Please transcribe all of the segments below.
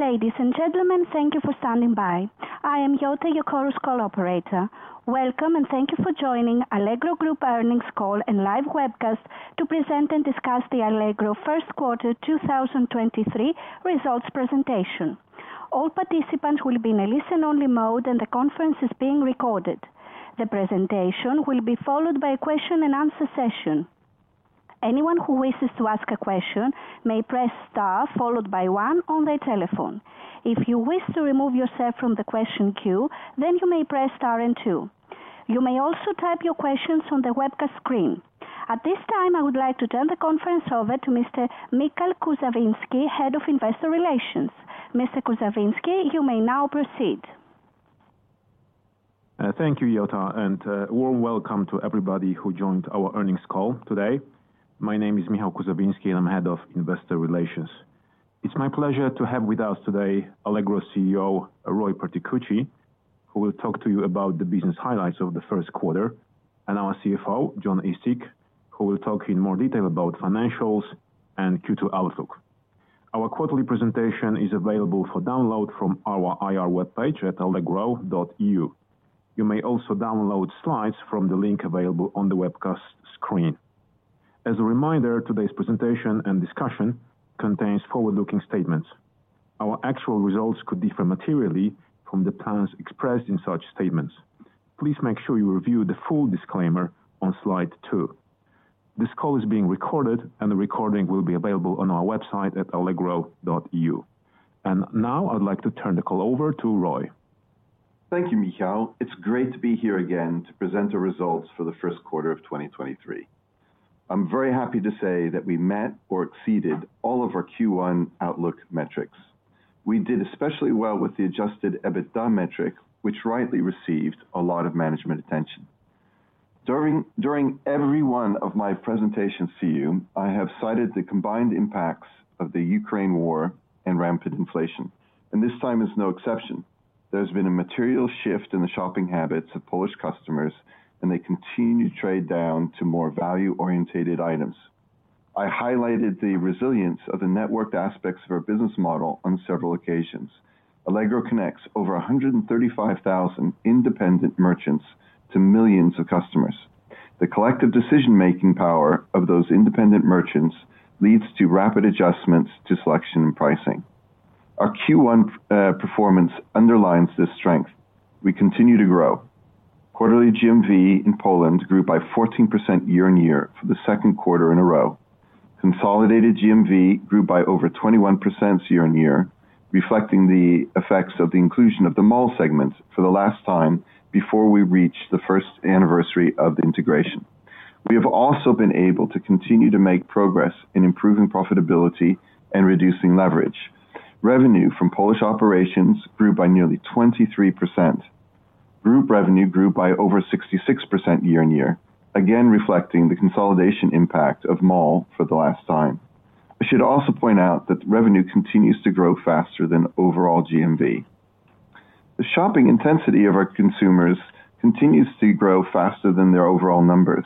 Ladies and gentlemen, thank you for standing by. I am Yota, your call operator. Welcome. Thank you for joining Allegro Group Earnings Call and Live Webcast to present and discuss the Allegro first quarter 2023 results presentation. All participants will be in a listen-only mode. The conference is being recorded. The presentation will be followed by a question and answer session. Anyone who wishes to ask a question may press star followed by one on their telephone. If you wish to remove yourself from the question queue, you may press star and two. You may also type your questions on the webcast screen. At this time, I would like to turn the conference over to Mr. Michał Kuzawiński, Head of Investor Relations. Mr. Kuzawiński, you may now proceed. Thank you, Yota, and warm welcome to everybody who joined our earnings call today. My name is Michał Kuzawiński, and I'm Head of Investor Relations. It's my pleasure to have with us today Allegro CEO, Roy Perticucci, who will talk to you about the business highlights of the first quarter, and our CFO, Jon Eastick, who will talk in more detail about financials and Q2 outlook. Our quarterly presentation is available for download from our IR webpage at allegro.eu. You may also download slides from the link available on the webcast screen. As a reminder, today's presentation and discussion contains forward-looking statements. Our actual results could differ materially from the plans expressed in such statements. Please make sure you review the full disclaimer on slide two. This call is being recorded, and the recording will be available on our website at allegro.eu. Now I'd like to turn the call over to Roy. Thank you, Michał. It's great to be here again to present the results for the first quarter of 2023. I'm very happy to say that we met or exceeded all of our Q1 outlook metrics. We did especially well with the adjusted EBITDA metric, which rightly received a lot of management attention. During every one of my presentations to you, I have cited the combined impacts of the Ukraine War and rampant inflation, this time is no exception. There's been a material shift in the shopping habits of Polish customers, they continue to trade down to more value-orientated items. I highlighted the resilience of the networked aspects of our business model on several occasions. Allegro connects over 135,000 independent merchants to millions of customers. The collective decision-making power of those independent merchants leads to rapid adjustments to selection and pricing. Our Q1 performance underlines this strength. We continue to grow. Quarterly GMV in Poland grew by 14% YoY for the second quarter in a row. Consolidated GMV grew by over 21% YoY, reflecting the effects of the inclusion of the Mall segment for the last time before we reach the first anniversary of the integration. We have also been able to continue to make progress in improving profitability and reducing leverage. Revenue from Polish operations grew by nearly 23%. Group revenue grew by over 66% YoY, again, reflecting the consolidation impact of Mall for the last time. I should also point out that revenue continues to grow faster than overall GMV. The shopping intensity of our consumers continues to grow faster than their overall numbers.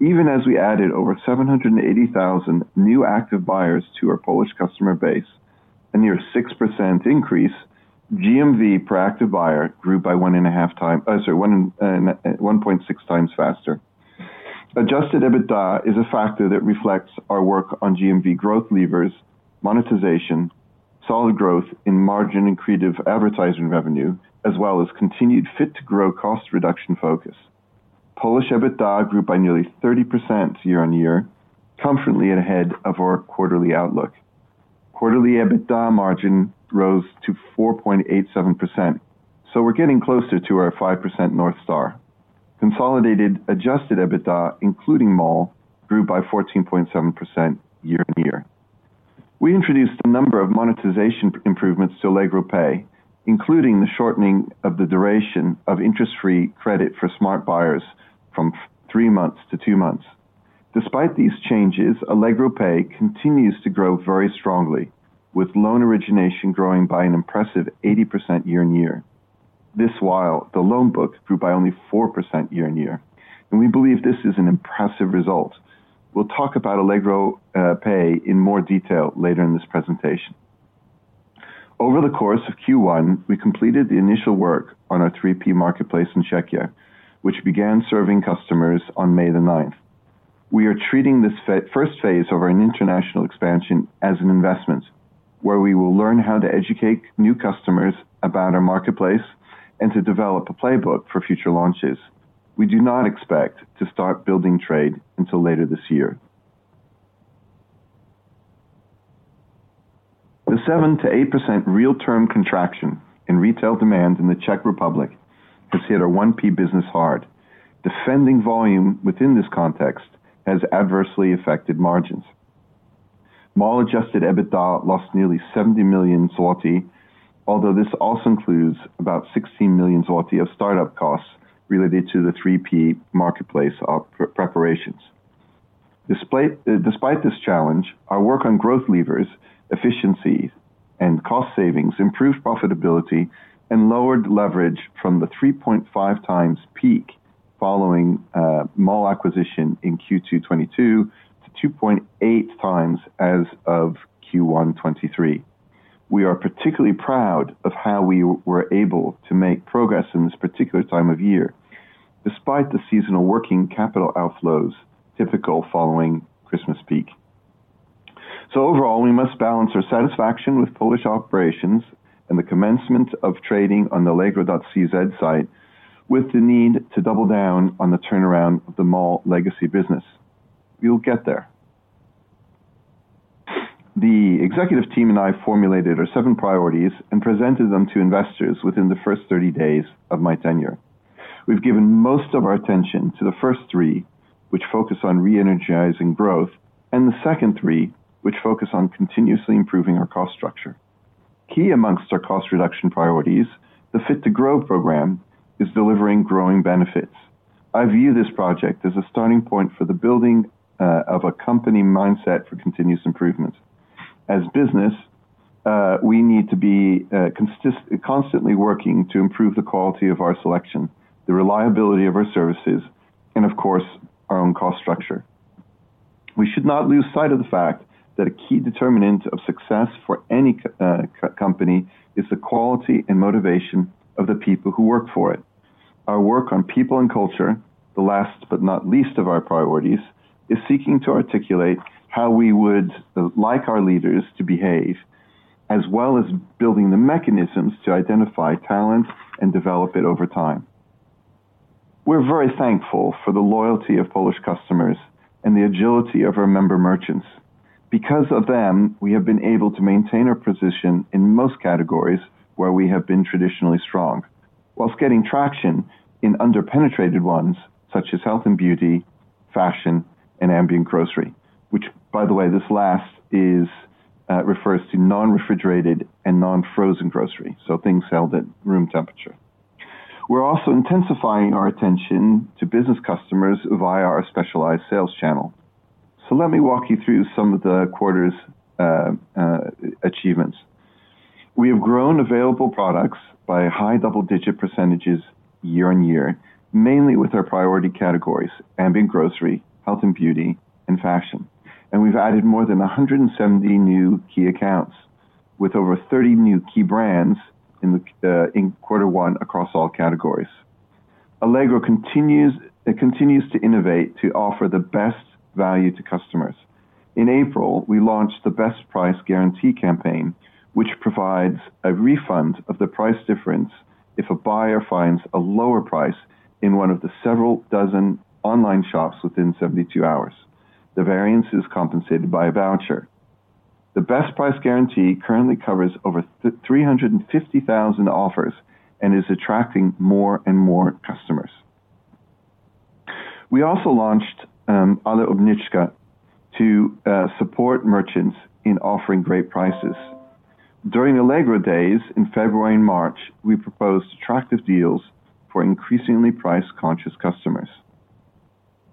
Even as we added over 780,000 new active buyers to our Polish customer base, a near 6% increase, GMV per active buyer grew by 1.5x, sorry, 1.6x faster. Adjusted EBITDA is a factor that reflects our work on GMV growth levers, monetization, solid growth in margin and creative advertising revenue, as well as continued Fit to Grow cost reduction focus. Polish EBITDA grew by nearly 30% YoY, comfortably ahead of our quarterly outlook. Quarterly EBITDA margin rose to 4.87%, so we're getting closer to our 5% North Star. Consolidated adjusted EBITDA, including Mall, grew by 14.7% YoY. We introduced a number of monetization improvements to Allegro Pay, including the shortening of the duration of interest-free credit for Smart! buyers from three months to two months. Despite these changes, Allegro Pay continues to grow very strongly, with loan origination growing by an impressive 80% YoY. This, while the loan book grew by only 4% YoY, and we believe this is an impressive result. We'll talk about Allegro Pay in more detail later in this presentation. Over the course of Q1, we completed the initial work on our 3P marketplace in Czechia, which began serving customers on May 9th. We are treating this first phase of our international expansion as an investment, where we will learn how to educate new customers about our marketplace and to develop a playbook for future launches. We do not expect to start building trade until later this year. The 7%-8% real term contraction in retail demand in the Czech Republic has hit our 1P business hard. Defending volume within this context has adversely affected margins. Mall-adjusted EBITDA lost nearly 70 million zloty, although this also includes about 16 million zloty of start-up costs related to the 3P marketplace preparations. Despite this challenge, our work on growth levers, efficiency and cost savings, improved profitability, and lowered leverage from the 3.5x peak following Mall acquisition in Q2 2022 to 2.8x as of Q1 2023. We are particularly proud of how we were able to make progress in this particular time of year, despite the seasonal working capital outflows typical following Christmas peak. Overall, we must balance our satisfaction with Polish operations and the commencement of trading on the allegro.cz site, with the need to double down on the turnaround of the mall legacy business. We'll get there. The executive team and I formulated our seven priorities and presented them to investors within the first 30 days of my tenure. We've given most of our attention to the first three, which focus on re-energizing growth, and the second three, which focus on continuously improving our cost structure. Key amongst our cost reduction priorities, the Fit to Grow program, is delivering growing benefits. I view this project as a starting point for the building of a company mindset for continuous improvement. As business, we need to be constantly working to improve the quality of our selection, the reliability of our services, and of course, our own cost structure. We should not lose sight of the fact that a key determinant of success for any company is the quality and motivation of the people who work for it. Our work on people and culture, the last but not least of our priorities, is seeking to articulate how we would like our leaders to behave, as well as building the mechanisms to identify talent and develop it over time. We're very thankful for the loyalty of Polish customers and the agility of our member merchants. Because of them, we have been able to maintain our position in most categories where we have been traditionally strong, while getting traction in under-penetrated ones, such as health and beauty, fashion, and ambient grocery, which, by the way, this last is refers to non-refrigerated and non-frozen grocery, so things held at room temperature. We're also intensifying our attention to business customers via our specialized sales channel. Let me walk you through some of the quarter's achievements. We have grown available products by high double-digit percentage year-on-year, mainly with our priority categories, ambient grocery, health and beauty, and fashion. We've added more than 170 new key accounts, with over 30 new key brands in the Q1 across all categories. Allegro continues to innovate to offer the best value to customers. In April, we launched the Best Price Guarantee campaign, which provides a refund of the price difference if a buyer finds a lower price in one of the several dozen online shops within 72 hours. The variance is compensated by a voucher. The Best Price Guarantee currently covers over 350,000 offers and is attracting more and more customers. We also launched AlleObniżka to support merchants in offering great prices. During Allegro Days in February and March, we proposed attractive deals for increasingly price-conscious customers.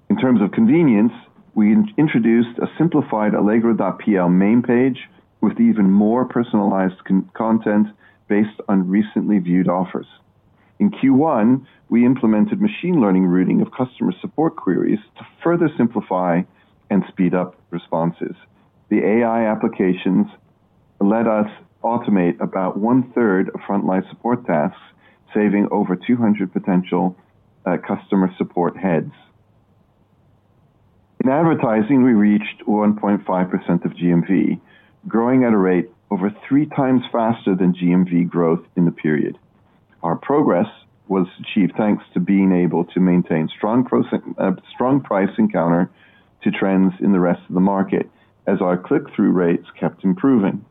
In terms of convenience, we introduced a simplified allegro.pl main page with even more personalized content based on recently viewed offers. In Q1, we implemented machine learning routing of customer support queries to further simplify and speed up responses. The AI applications let us automate about one third of frontline support tasks, saving over 200 potential customer support heads. In advertising, we reached 1.5% of GMV, growing at a rate over 3x faster than GMV growth in the period. Our progress was achieved thanks to being able to maintain strong price, strong price encounter to trends in the rest of the market, as our click-through rates kept improving.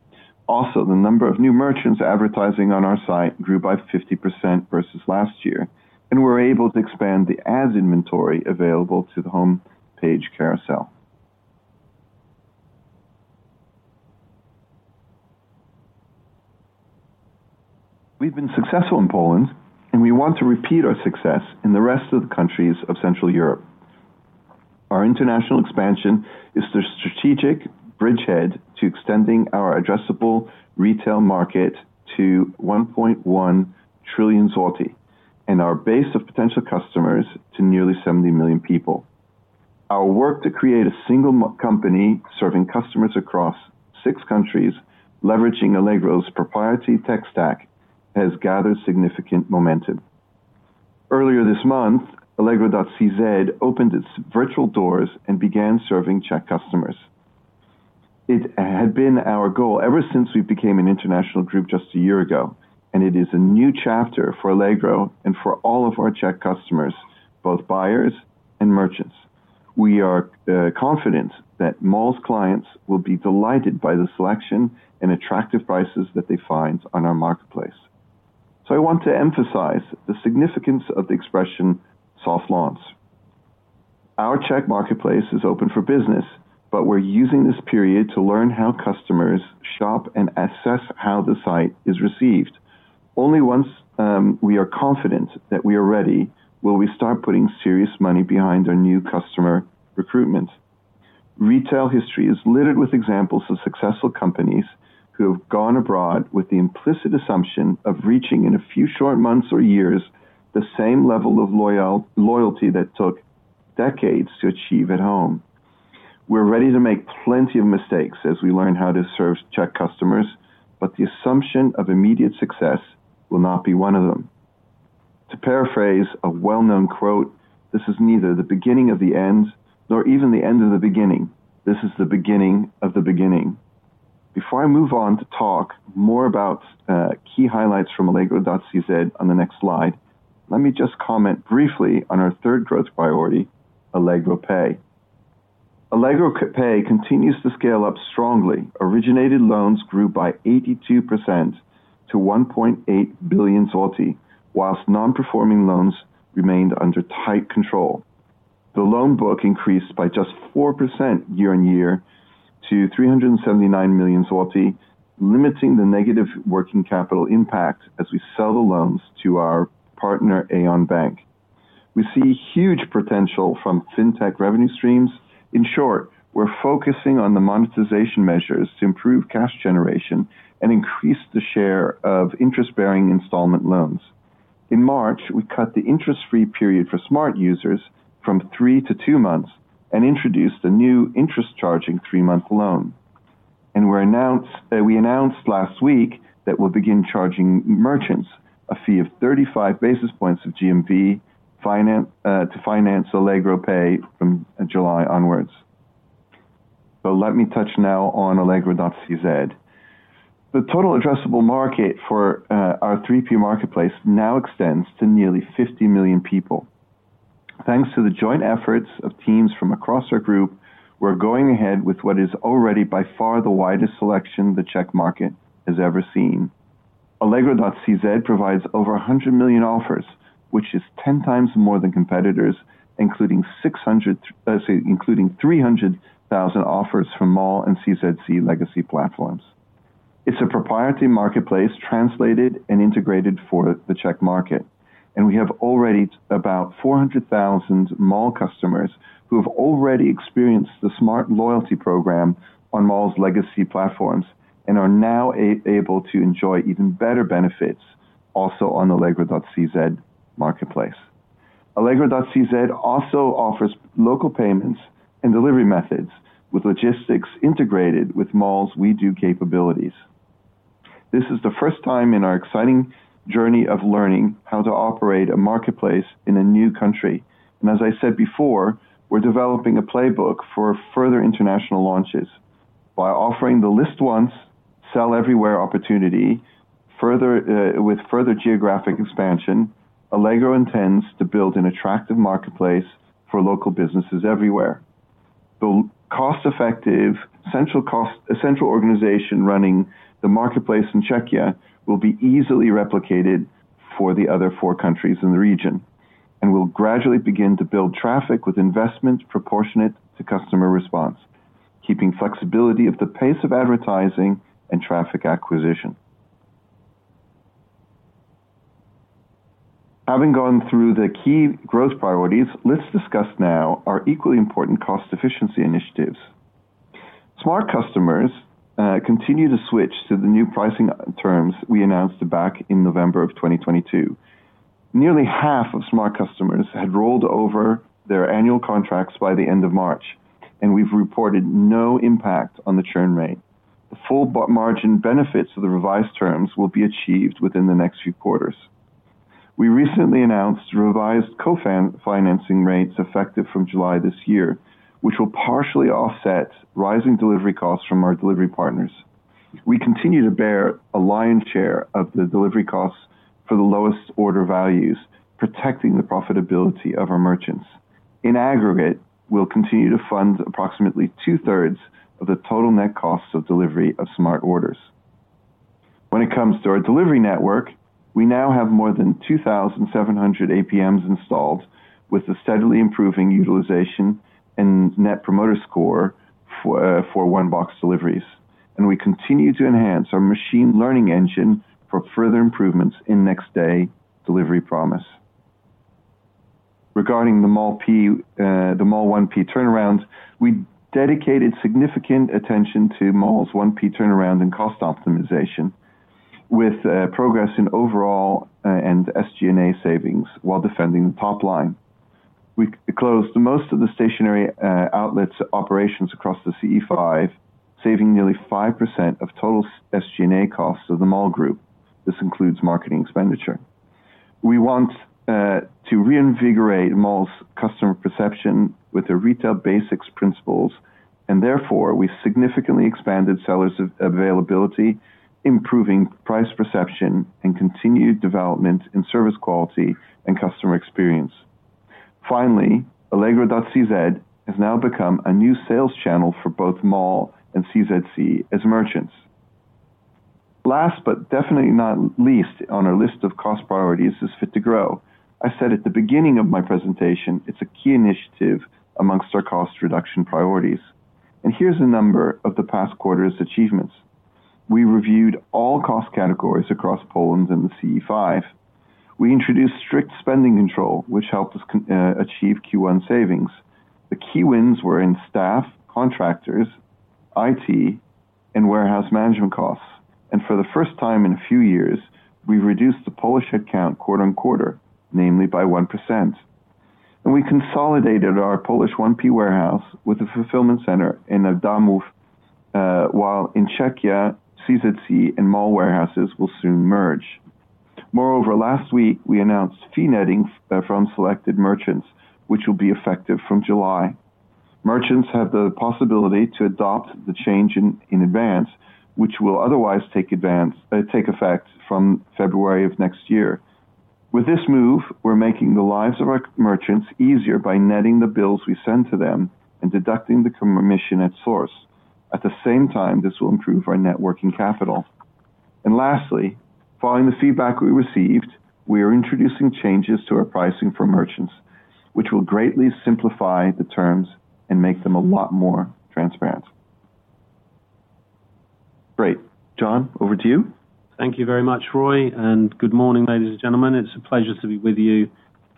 The number of new merchants advertising on our site grew by 50% versus last year, and we're able to expand the ads inventory available to the homepage carousel. We've been successful in Poland, we want to repeat our success in the rest of the countries of Central Europe. Our international expansion is the strategic bridgehead to extending our addressable retail market to 1.1 trillion zloty, our base of potential customers to nearly 70 million people. Our work to create a single company serving customers across six countries, leveraging Allegro's proprietary tech stack, has gathered significant momentum. Earlier this month, allegro.cz opened its virtual doors and began serving Czech customers. It had been our goal ever since we became an international group just a year ago. It is a new chapter for Allegro and for all of our Czech customers, both buyers and merchants. We are confident that Mall's clients will be delighted by the selection and attractive prices that they find on our marketplace. I want to emphasize the significance of the expression, soft launch. Our Czech marketplace is open for business, but we're using this period to learn how customers shop and assess how the site is received. Only once we are confident that we are ready, will we start putting serious money behind our new customer recruitment? Retail history is littered with examples of successful companies who have gone abroad with the implicit assumption of reaching, in a few short months or years, the same level of loyalty that took decades to achieve at home. The assumption of immediate success will not be one of them. To paraphrase a well-known quote, "This is neither the beginning of the end, nor even the end of the beginning. This is the beginning of the beginning." Before I move on to talk more about key highlights from allegro.cz on the next slide, let me just comment briefly on our third growth priority, Allegro Pay. Allegro Pay continues to scale up strongly. Originated loans grew by 82% to 1.8 billion, whilst non-performing loans remained under tight control. The loan book increased by just 4% year-on-year to 379 million zloty, limiting the negative working capital impact as we sell the loans to our partner, Alior Bank. We see huge potential from Fintech revenue streams. In short, we're focusing on the monetization measures to improve cash generation and increase the share of interest-bearing installment loans. In March, we cut the interest-free period for Smart! users from 3 to 2 months and introduced a new interest charging 3-month loan. We announced last week that we'll begin charging merchants a fee of 35 basis points of GMV to finance Allegro Pay from July onwards. Let me touch now on allegro.cz. The total addressable market for our three-tier marketplace now extends to nearly 50 million people. Thanks to the joint efforts of teams from across our group, we're going ahead with what is already by far the widest selection the Czech market has ever seen. Allegro.cz provides over 100 million offers, which is 10 times more than competitors, including 300,000 offers from MALL and CZC legacy platforms. It's a proprietary marketplace, translated and integrated for the Czech market, we have already about 400,000 MALL customers who have already experienced the Smart! loyalty program on MALL's legacy platforms and are now able to enjoy even better benefits also on Allegro.cz marketplace. Allegro.cz also offers local payments and delivery methods with logistics integrated with MALL's WE|DO capabilities. This is the first time in our exciting journey of learning how to operate a marketplace in a new country. As I said before, we're developing a playbook for further international launches. By offering the list once, sell everywhere opportunity, with further geographic expansion, Allegro intends to build an attractive marketplace for local businesses everywhere. The cost-effective, central cost, central organization running the marketplace in Czechia will be easily replicated for the other four countries in the region, and will gradually begin to build traffic with investment proportionate to customer response, keeping flexibility of the pace of advertising and traffic acquisition. Having gone through the key growth priorities, let's discuss now our equally important cost efficiency initiatives. Smart customers continue to switch to the new pricing terms we announced back in November of 2022. Nearly half of Smart customers had rolled over their annual contracts by the end of March, and we've reported no impact on the churn rate. The full margin benefits of the revised terms will be achieved within the next few quarters. We recently announced revised co-financing rates effective from July this year, which will partially offset rising delivery costs from our delivery partners. We continue to bear a lion's share of the delivery costs for the lowest order values, protecting the profitability of our merchants. In aggregate, we'll continue to fund approximately two-thirds of the total net costs of delivery of Smart! orders. When it comes to our delivery network, we now have more than 2,700 APMs installed, with a steadily improving utilization and Net Promoter Score for One Box deliveries. We continue to enhance our machine learning engine for further improvements in next day delivery promise. Regarding the MALL 1P turnarounds, we dedicated significant attention to MALL's 1P turnaround and cost optimization, with progress in overall and SG&A savings while defending the top line. We closed the most of the stationary outlets operations across the CE5, saving nearly 5% of total SG&A costs of the Mall Group. This includes marketing expenditure. We want to reinvigorate MALL's customer perception with the retail basics principles. Therefore, we significantly expanded sellers availability, improving price perception, and continued development in service quality and customer experience. Finally, allegro.cz has now become a new sales channel for both Mall and CZC as merchants. Last but definitely not least on our list of cost priorities, is Fit to Grow. I said at the beginning of my presentation, it's a key initiative amongst our cost reduction priorities. Here's a number of the past quarter's achievements. We reviewed all cost categories across Poland and the CE5. We introduced strict spending control, which helped us achieve Q1 savings. The key wins were in staff, contractors, IT, and warehouse management costs. For the first time in a few years, we've reduced the Polish account quarter-on-quarter, namely by 1%. We consolidated our Polish 1P warehouse with a fulfillment center in Adamów, while in Czechia, CZC and Mall warehouses will soon merge. Moreover, last week, we announced fee netting from selected merchants, which will be effective from July. Merchants have the possibility to adopt the change in advance, which will otherwise take effect from February of next year. With this move, we're making the lives of our merchants easier by netting the bills we send to them and deducting the commission at source. At the same time, this will improve our net working capital. Lastly, following the feedback we received, we are introducing changes to our pricing for merchants, which will greatly simplify the terms and make them a lot more transparent. Great. Jon, over to you. Thank you very much, Roy. Good morning, ladies and gentlemen. It's a pleasure to be with you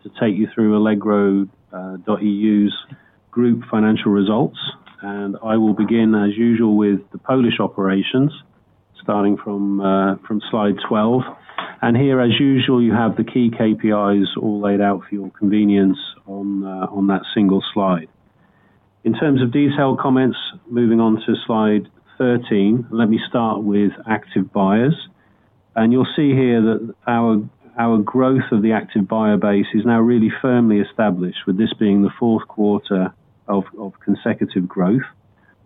to take you through allegro.eu's group financial results. I will begin, as usual, with the Polish operations, starting from slide 12. Here, as usual, you have the key KPIs all laid out for your convenience on that single slide. In terms of detailed comments, moving on to slide 13, let me start with active buyers. You'll see here that our growth of the active buyer base is now really firmly established, with this being the fourth quarter of consecutive growth.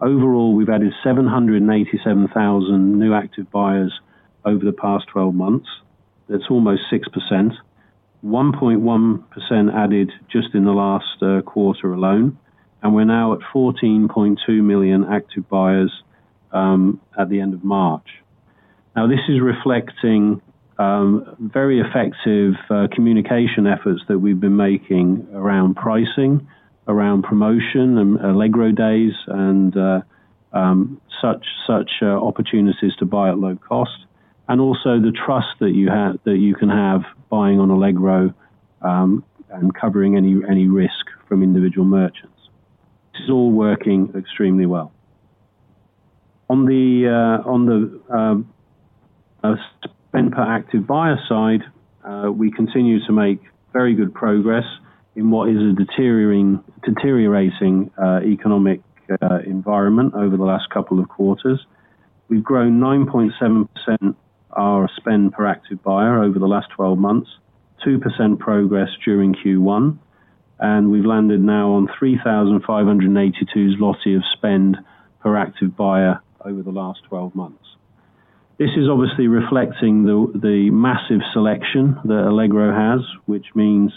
Overall, we've added 787,000 new active buyers over the past 12 months. That's almost 6%, 1.1% added just in the last quarter alone. We're now at 14.2 million active buyers at the end of March. This is reflecting very effective communication efforts that we've been making around pricing, around promotion and Allegro Days and such opportunities to buy at low cost. Also the trust that you have, that you can have buying on Allegro, and covering any risk from individual merchants. This is all working extremely well. On the spend per active buyer side, we continue to make very good progress in what is a deteriorating economic environment over the last couple of quarters. We've grown 9.7% our spend per active buyer over the last 12 months, 2% progress during Q1, and we've landed now on 3,582 of spend per active buyer over the last 12 months. This is obviously reflecting the massive selection that Allegro has, which means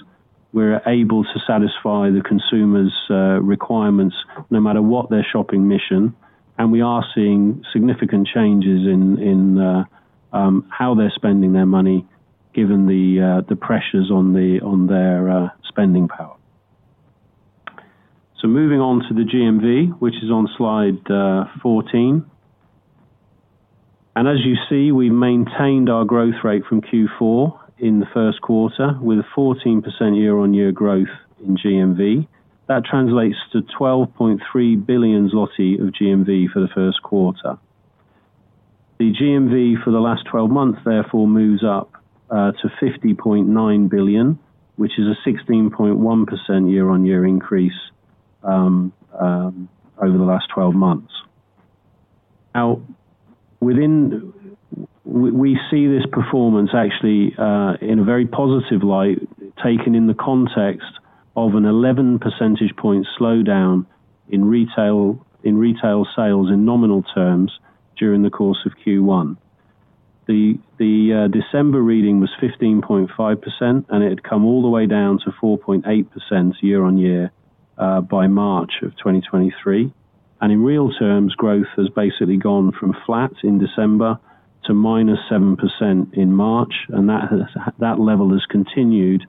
we're able to satisfy the consumer's requirements no matter what their shopping mission, and we are seeing significant changes in how they're spending their money, given the pressures on their spending power. Moving on to the GMV, which is on slide 14. As you see, we maintained our growth rate from Q4 in the first quarter, with a 14% YoY growth in GMV. That translates to 12.3 billion zloty of GMV for the first quarter. The GMV for the last 12 months, therefore, moves up to 50.9 billion, which is a 16.1% YoY increase over the last 12 months. We see this performance actually in a very positive light, taken in the context of an 11 percentage point slowdown in retail sales in nominal terms during the course of Q1. The December reading was 15.5%, and it had come all the way down to 4.8% YoY by March of 2023. In real terms, growth has basically gone from flat in December to -7% in March, and that level has continued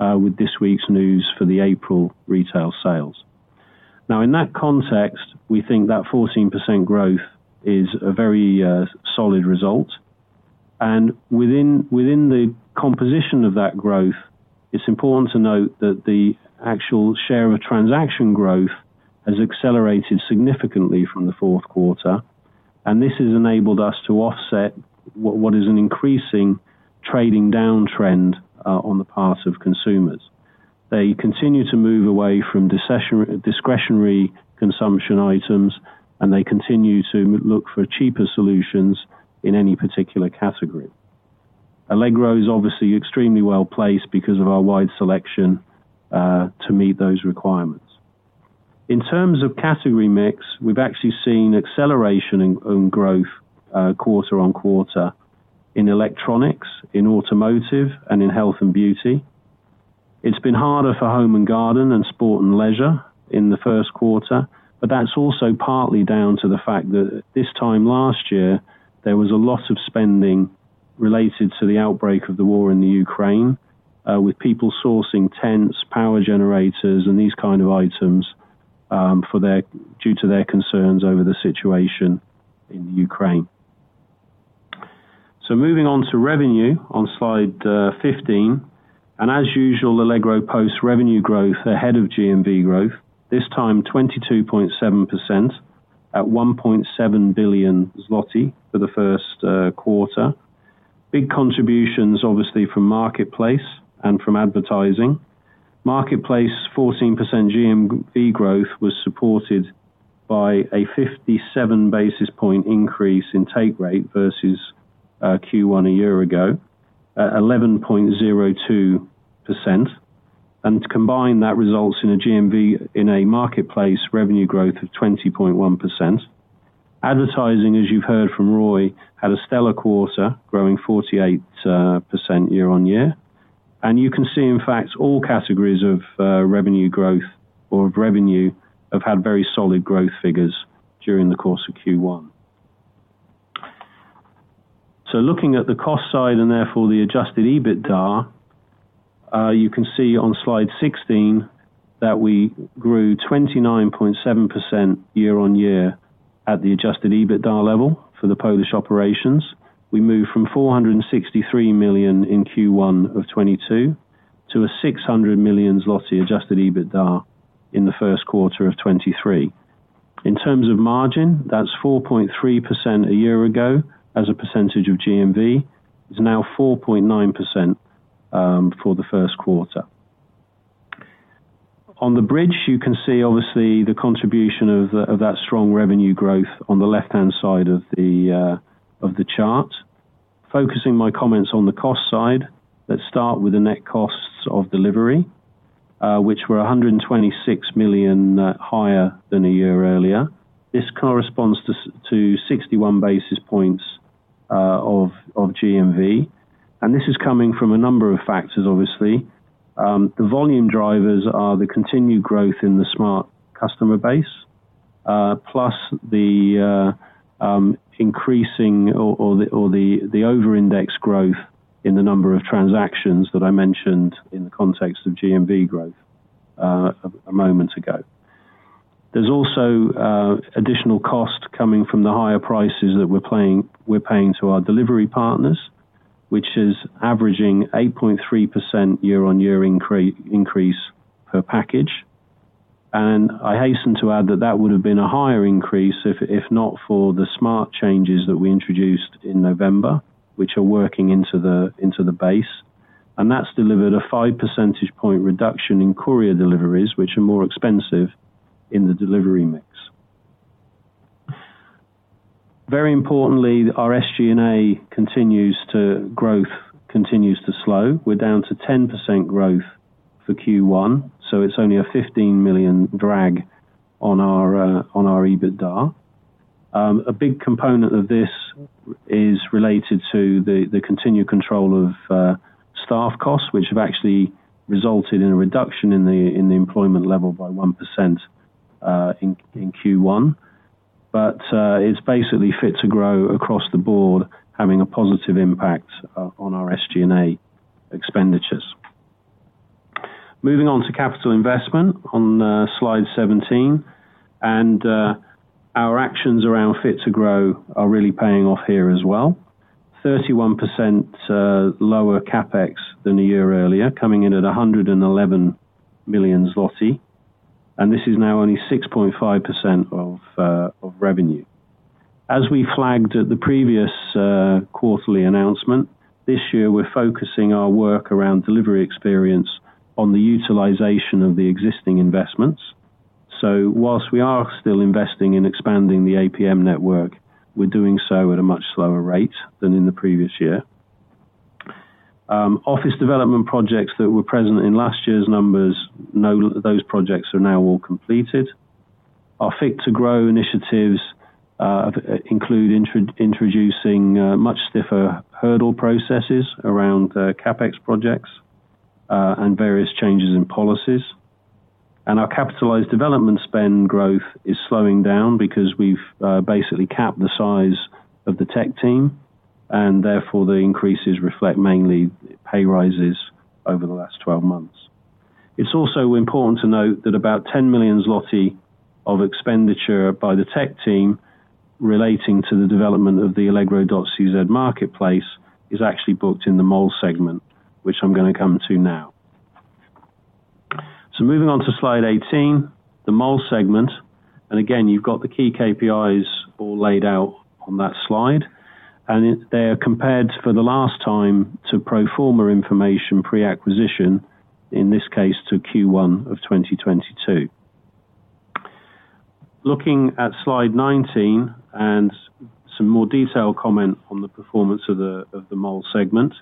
with this week's news for the April retail sales. In that context, we think that 14% growth is a very solid result. Within the composition of that growth, it's important to note that the actual share of transaction growth has accelerated significantly from the fourth quarter, and this has enabled us to offset what is an increasing trading downtrend on the part of consumers. They continue to move away from discretionary consumption items, and they continue to look for cheaper solutions in any particular category. Allegro is obviously extremely well-placed because of our wide selection to meet those requirements. In terms of category mix, we've actually seen acceleration in growth quarter-on-quarter in electronics, in automotive, and in health and beauty. It's been harder for home and garden and sport and leisure in the first quarter, but that's also partly down to the fact that this time last year, there was a lot of spending related to the outbreak of the war in Ukraine, with people sourcing tents, power generators, and these kind of items for their, due to their concerns over the situation in Ukraine. Moving on to revenue on slide 15. As usual, Allegro posts revenue growth ahead of GMV growth, this time 22.7% at 1.7 billion zloty for the first quarter. Big contributions, obviously, from marketplace and from advertising. Marketplace, 14% GMV growth was supported by a 57 basis point increase in take rate versus Q1 a year ago, at 11.02%. Combined, that results in a GMV in a marketplace revenue growth of 20.1%. Advertising, as you've heard from Roy, had a stellar quarter, growing 48% YoY. You can see, in fact, all categories of revenue growth or of revenue have had very solid growth figures during the course of Q1. Looking at the cost side and therefore the adjusted EBITDA, you can see on slide 16 that we grew 29.7% YoY at the adjusted EBITDA level for the Polish operations. We moved from 463 million in Q1 of 2022, to a 600 million zloty adjusted EBITDA in the first quarter of 2023. In terms of margin, that's 4.3% a year ago as a percentage of GMV, is now 4.9% for the first quarter. On the bridge, you can see obviously the contribution of that strong revenue growth on the left-hand side of the chart. Focusing my comments on the cost side, let's start with the net costs of delivery, which were 126 million higher than a year earlier. This corresponds to 61 basis points of GMV. This is coming from a number of factors, obviously. The volume drivers are the continued growth in the Smart customer base, plus the increasing or the over-indexed growth in the number of transactions that I mentioned in the context of GMV growth a moment ago. There's also additional cost coming from the higher prices that we're paying to our delivery partners, which is averaging 8.3% YoY increase per package. I hasten to add that that would have been a higher increase if not for the smart changes that we introduced in November, which are working into the base. That's delivered a 5 percentage point reduction in courier deliveries, which are more expensive in the delivery mix. Very importantly, our SG&A continues to growth, continues to slow. We're down to 10% growth for Q1, so it's only a 15 million drag on our EBITDA. A big component of this is related to the continued control of staff costs, which have actually resulted in a reduction in the employment level by 1% in Q1. It's basically Fit to Grow across the board, having a positive impact on our SG&A expenditures. Moving on to capital investment on slide 17, our actions around Fit to Grow are really paying off here as well. 31% lower CapEx than a year earlier, coming in at 111 million zloty, and this is now only 6.5% of revenue. As we flagged at the previous quarterly announcement, this year, we're focusing our work around delivery experience on the utilization of the existing investments. Whilst we are still investing in expanding the APM network, we're doing so at a much slower rate than in the previous year. Office development projects that were present in last year's numbers, those projects are now all completed. Our Fit to Grow initiatives include introducing much stiffer hurdle processes around CapEx projects and various changes in policies. Our capitalized development spend growth is slowing down because we've basically capped the size of the tech team, and therefore, the increases reflect mainly pay rises over the last 12 months. It's also important to note that about 10 million zloty of expenditure by the tech team relating to the development of the allegro.cz marketplace, is actually booked in the Mall segment, which I'm gonna come to now. Moving on to slide 18, the Mall segment. Again, you've got the key KPIs all laid out on that slide, they are compared for the last time to pro forma information pre-acquisition, in this case, to Q1 of 2022. Looking at slide 19 and some more detailed comment on the performance of the Mall segment.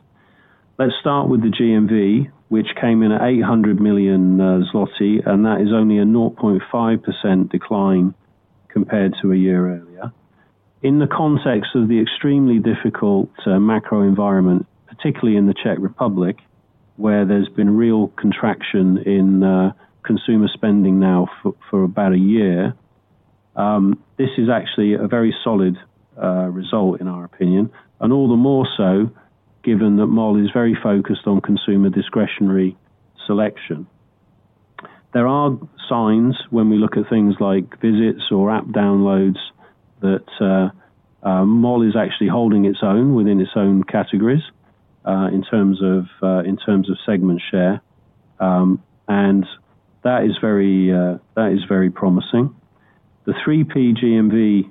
Let's start with the GMV, which came in at 800 million zloty, that is only a 0.5% decline compared to a year earlier. In the context of the extremely difficult macro environment, particularly in the Czech Republic, where there's been real contraction in consumer spending now for about a year. This is actually a very solid result in our opinion, and all the more so, given that Mall is very focused on consumer discretionary selection. There are signs when we look at things like visits or app downloads, that Mall is actually holding its own within its own categories, in terms of segment share, that is very promising. The 3P GMV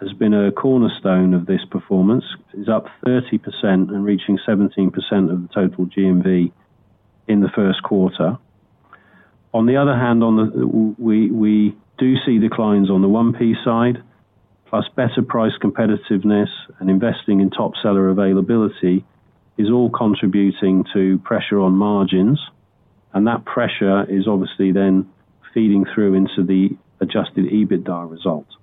has been a cornerstone of this performance. It's up 30% and reaching 17% of the total GMV in the first quarter. On the other hand, we do see declines on the 1P side, plus better price competitiveness and investing in top seller availability, is all contributing to pressure on margins, that pressure is obviously then feeding through into the adjusted EBITDA results.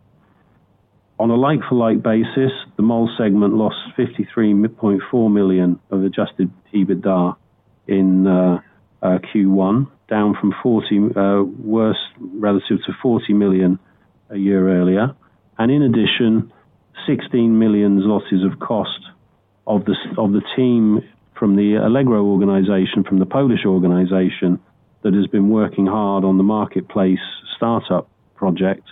On a like-for-like basis, the Mall segment lost 53.4 million of adjusted EBITDA in Q1, worse relative to 40 million a year earlier. In addition, 16 million losses of cost of the team from the Allegro organization, from the Polish organization, that has been working hard on the marketplace startup project,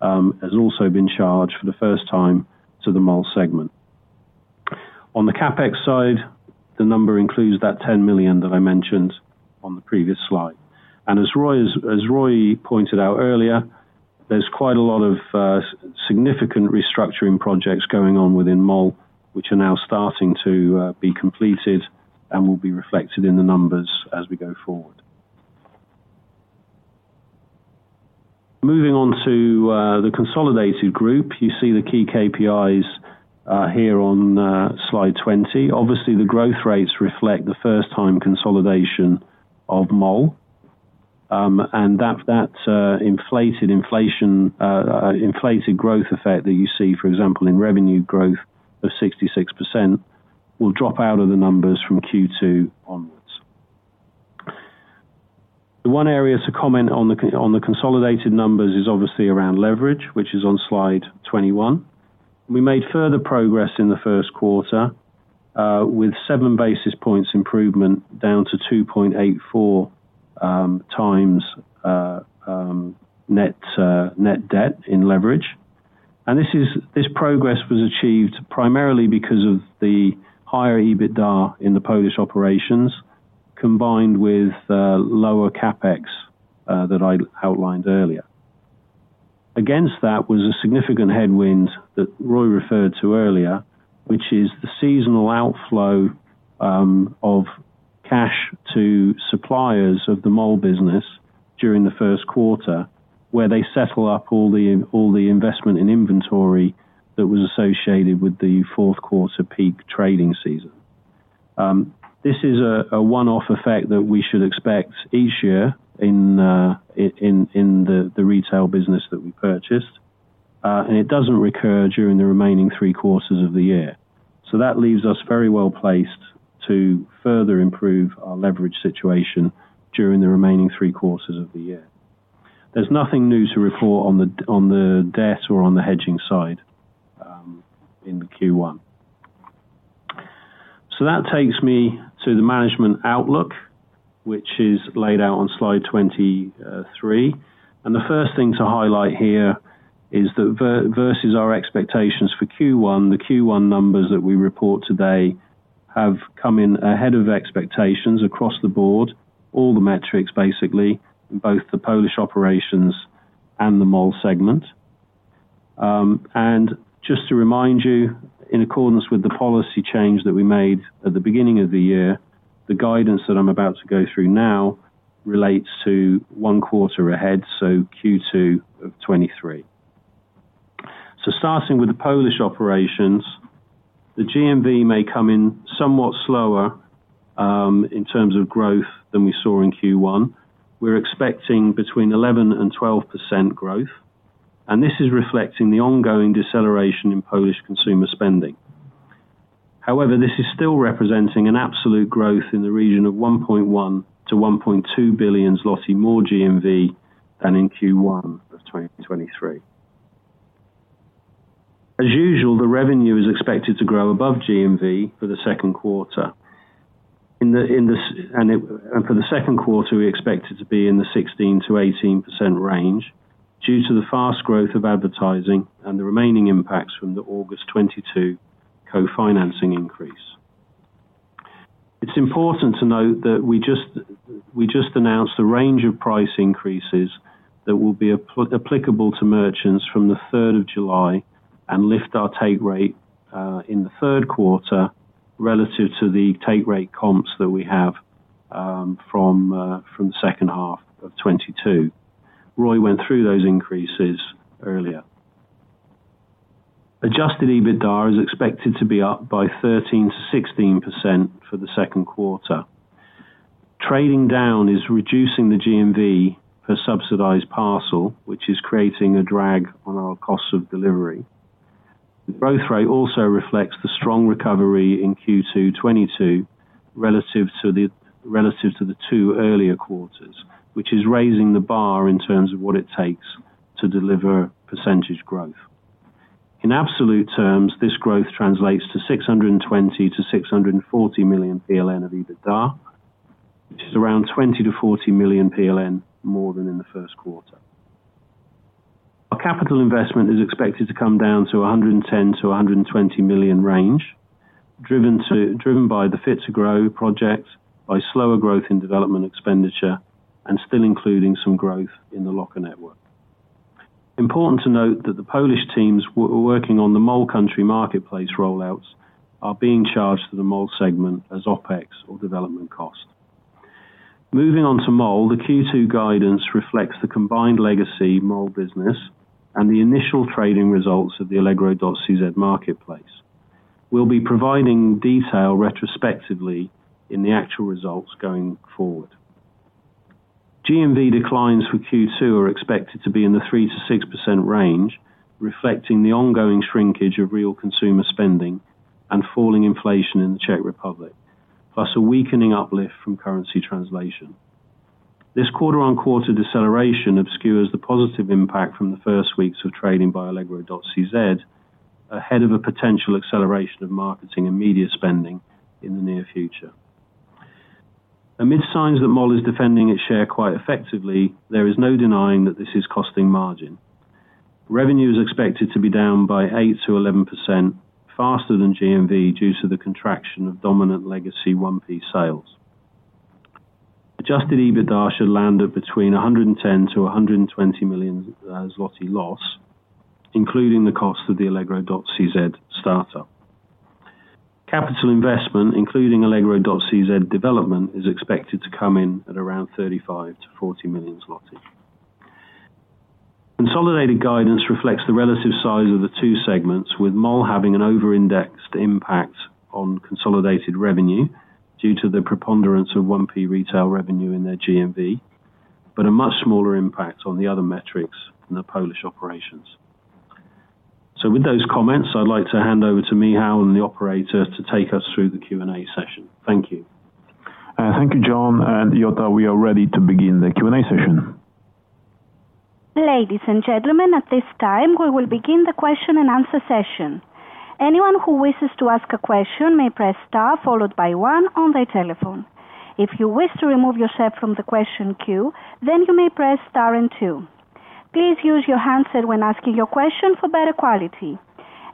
has also been charged for the first time to the Mall segment. On the CapEx side, the number includes that 10 million that I mentioned on the previous slide. As Roy pointed out earlier, there's quite a lot of significant restructuring projects going on within Mall, which are now starting to be completed and will be reflected in the numbers as we go forward. Moving on to the consolidated group, you see the key KPIs here on slide 20. Obviously, the growth rates reflect the first time consolidation of Mall, and that inflated growth effect that you see, for example, in revenue growth of 66%, will drop out of the numbers from Q2 onwards. The one area to comment on the consolidated numbers is obviously around leverage, which is on slide 21. We made further progress in the first quarter with 7 basis points improvement down to 2.84x net debt in leverage. This progress was achieved primarily because of the higher EBITDA in the Polish operations, combined with lower CapEx that I outlined earlier. Against that was a significant headwind that Roy referred to earlier, which is the seasonal outflow of cash to suppliers of the Mall Group business during the first quarter, where they settle up all the investment in inventory that was associated with the fourth quarter peak trading season. This is a one-off effect that we should expect each year in the retail business that we purchased, and it doesn't recur during the remaining three quarters of the year. That leaves us very well placed to further improve our leverage situation during the remaining three quarters of the year. There's nothing new to report on the debt or on the hedging side in Q1. That takes me to the management outlook, which is laid out on slide 23. The first thing to highlight here is that versus our expectations for Q1, the Q1 numbers that we report today have come in ahead of expectations across the board, all the metrics, basically, both the Polish operations and the Mall segment. Just to remind you, in accordance with the policy change that we made at the beginning of the year, the guidance that I'm about to go through now relates to one quarter ahead, so Q2 of 2023. Starting with the Polish operations, the GMV may come in somewhat slower, in terms of growth than we saw in Q1. We're expecting between 11% and 12% growth, and this is reflecting the ongoing deceleration in Polish consumer spending. However, this is still representing an absolute growth in the region of 1.1 billion-1.2 billion zloty more GMV than in Q1 of 2023. As usual, the revenue is expected to grow above GMV for the second quarter. For the second quarter, we expect it to be in the 16%-18% range due to the fast growth of advertising and the remaining impacts from the August 2022 co-financing increase. It's important to note that we just announced a range of price increases that will be applicable to merchants from the third of July and lift our take rate in the third quarter relative to the take rate comps that we have from the second half of 2022. Roy went through those increases earlier. Adjusted EBITDA is expected to be up by 13%-16% for the second quarter. Trading down is reducing the GMV for subsidized parcel, which is creating a drag on our cost of delivery. ...The growth rate also reflects the strong recovery in Q2 2022, relative to the two earlier quarters, which is raising the bar in terms of what it takes to deliver percentage growth. In absolute terms, this growth translates to 620 million-640 million PLN of EBITDA, which is around 20 million-40 million PLN, more than in the first quarter. Our capital investment is expected to come down to a 110 million-120 million range, driven by the Fit to Grow project, by slower growth in development expenditure, and still including some growth in the locker network. Important to note that the Polish teams working on the Mall country marketplace rollouts, are being charged for the Mall segment as OpEx or development cost. Moving on to Mall, the Q2 guidance reflects the combined legacy Mall business and the initial trading results of the allegro.cz marketplace. We'll be providing detail retrospectively in the actual results going forward. GMV declines for Q2 are expected to be in the 3%-6% range, reflecting the ongoing shrinkage of real consumer spending and falling inflation in the Czech Republic, plus a weakening uplift from currency translation. This quarter-on-quarter deceleration obscures the positive impact from the first weeks of trading by allegro.cz, ahead of a potential acceleration of marketing and media spending in the near future. Amid signs that Mall is defending its share quite effectively, there is no denying that this is costing margin. Revenue is expected to be down by 8%-11% faster than GMV, due to the contraction of dominant legacy 1P sales. Adjusted EBITDA should land up between 110 million-120 million zloty loss, including the cost of the allegro.cz startup. Capital investment, including allegro.cz development, is expected to come in at around 35 million-40 million. Consolidated guidance reflects the relative size of the two segments, with Mall having an overindexed impact on consolidated revenue due to the preponderance of 1P retail revenue in their GMV, but a much smaller impact on the other metrics in the Polish operations. With those comments, I'd like to hand over to Michal and the operator to take us through the Q&A session. Thank you. Thank you, Jon and Yota. We are ready to begin the Q&A session. Ladies and gentlemen, at this time, we will begin the question and answer session. Anyone who wishes to ask a question may press star, followed by one on their telephone. If you wish to remove yourself from the question queue, then you may press star and two. Please use your handset when asking your question for better quality.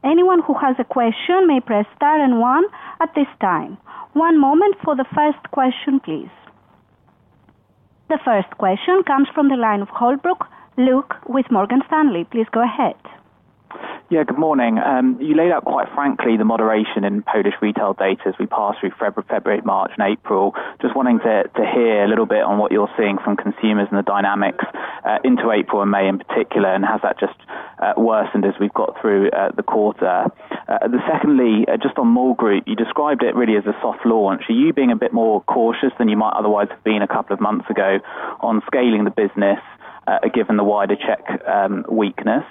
Anyone who has a question may press star and one at this time. 1 moment for the first question, please. The first question comes from the line of Holbrook, Luke with Morgan Stanley. Please go ahead. Good morning. You laid out, quite frankly, the moderation in Polish retail data as we pass through February, March and April. Just wanting to hear a little bit on what you're seeing from consumers and the dynamics into April and May in particular, and has that just worsened as we've got through the quarter? Secondly, just on Mall Group, you described it really as a soft launch. Are you being a bit more cautious than you might otherwise have been a couple of months ago on scaling the business, given the wider Czech weakness?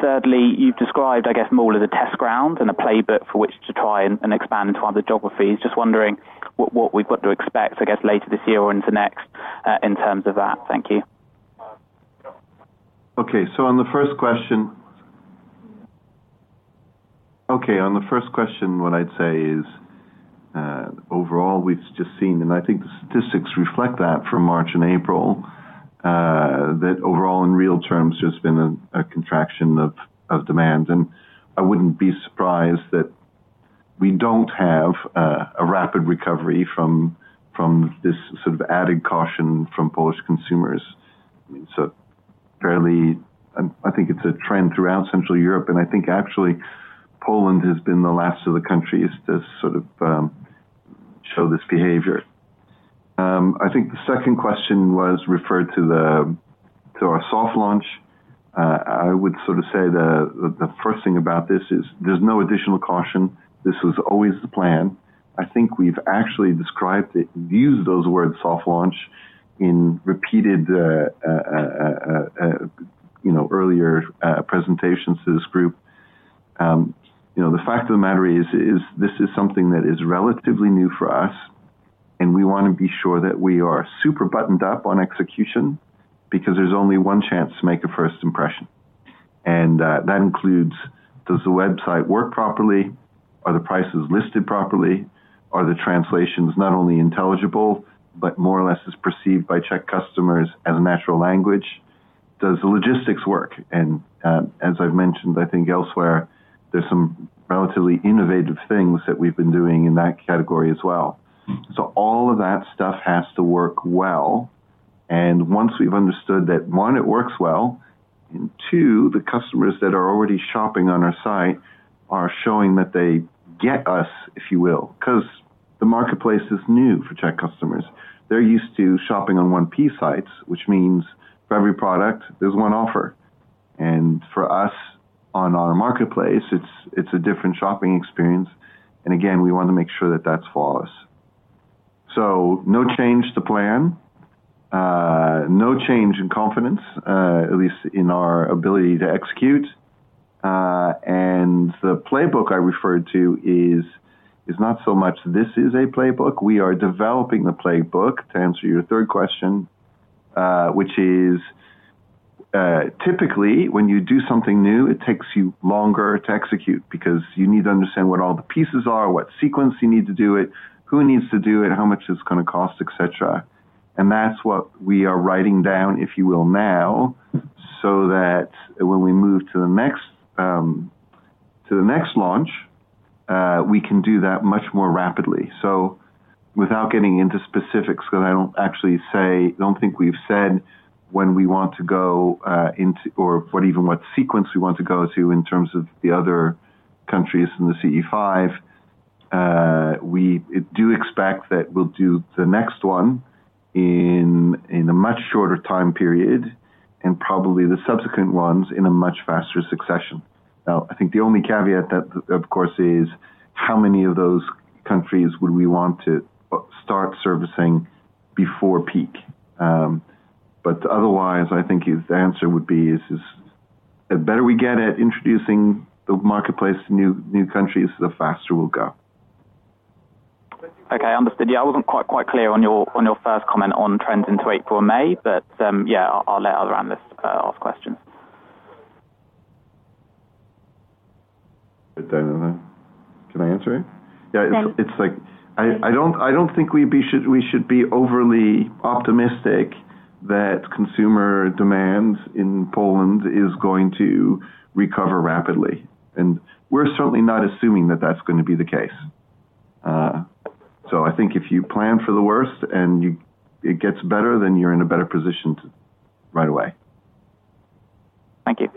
Thirdly, you've described, I guess, Mall as a test ground and a playbook for which to try and expand into other geographies. Just wondering what we've got to expect, I guess, later this year or into next, in terms of that. Thank you. Okay, on the first question, what I'd say is overall, we've just seen, and I think the statistics reflect that for March and April, that overall in real terms, there's been a contraction of demand, and I wouldn't be surprised that we don't have a rapid recovery from this sort of added caution from Polish consumers. Fairly, I think it's a trend throughout Central Europe, and I think actually, Poland has been the last of the countries to sort of show this behavior. I think the second question was referred to our soft launch. I would sort of say that the first thing about this is there's no additional caution. This was always the plan. I think we've actually described it, used those words, soft launch, in repeated, you know, earlier presentations to this group. You know, the fact of the matter is, this is something that is relatively new for us, and we want to be sure that we are super buttoned up on execution because there's only one chance to make a first impression. That includes, does the website work properly? Are the prices listed properly? Are the translations not only intelligible, but more or less is perceived by Czech customers as a natural language? Does the logistics work? As I've mentioned, I think elsewhere, there's some relatively innovative things that we've been doing in that category as well. All of that stuff has to work well. Once we've understood that, one, it works well, and two, the customers that are already shopping on our site are showing that they get us, if you will, 'cause the marketplace is new for Czech customers. They're used to shopping on 1P sites, which means for every product, there's one offer. For us on our marketplace, it's a different shopping experience. Again, we want to make sure that that's flawless. No change to plan, no change in confidence, at least in our ability to execute. The playbook I referred to is not so much this is a playbook. We are developing the playbook to answer your third question, which is, typically, when you do something new, it takes you longer to execute because you need to understand what all the pieces are, what sequence you need to do it, who needs to do it, how much it's going to cost, et cetera. That's what we are writing down, if you will, now, so that when we move to the next, to the next launch, we can do that much more rapidly. Without getting into specifics, because I don't actually don't think we've said when we want to go into or what even what sequence we want to go to in terms of the other countries in the CE5, we do expect that we'll do the next one in a much shorter time period and probably the subsequent ones in a much faster succession. I think the only caveat that, of course, is how many of those countries would we want to start servicing before peak? Otherwise, I think the answer would be, is the better we get at introducing the marketplace to new countries, the faster we'll go. Okay, understood. Yeah, I wasn't quite clear on your first comment on trends into April or May, but yeah, I'll let others ask questions. Can I answer it? Yeah, it's like I don't think we should be overly optimistic that consumer demand in Poland is going to recover rapidly. We're certainly not assuming that that's going to be the case. I think if you plan for the worst and it gets better, then you're in a better position to right away. Thank you.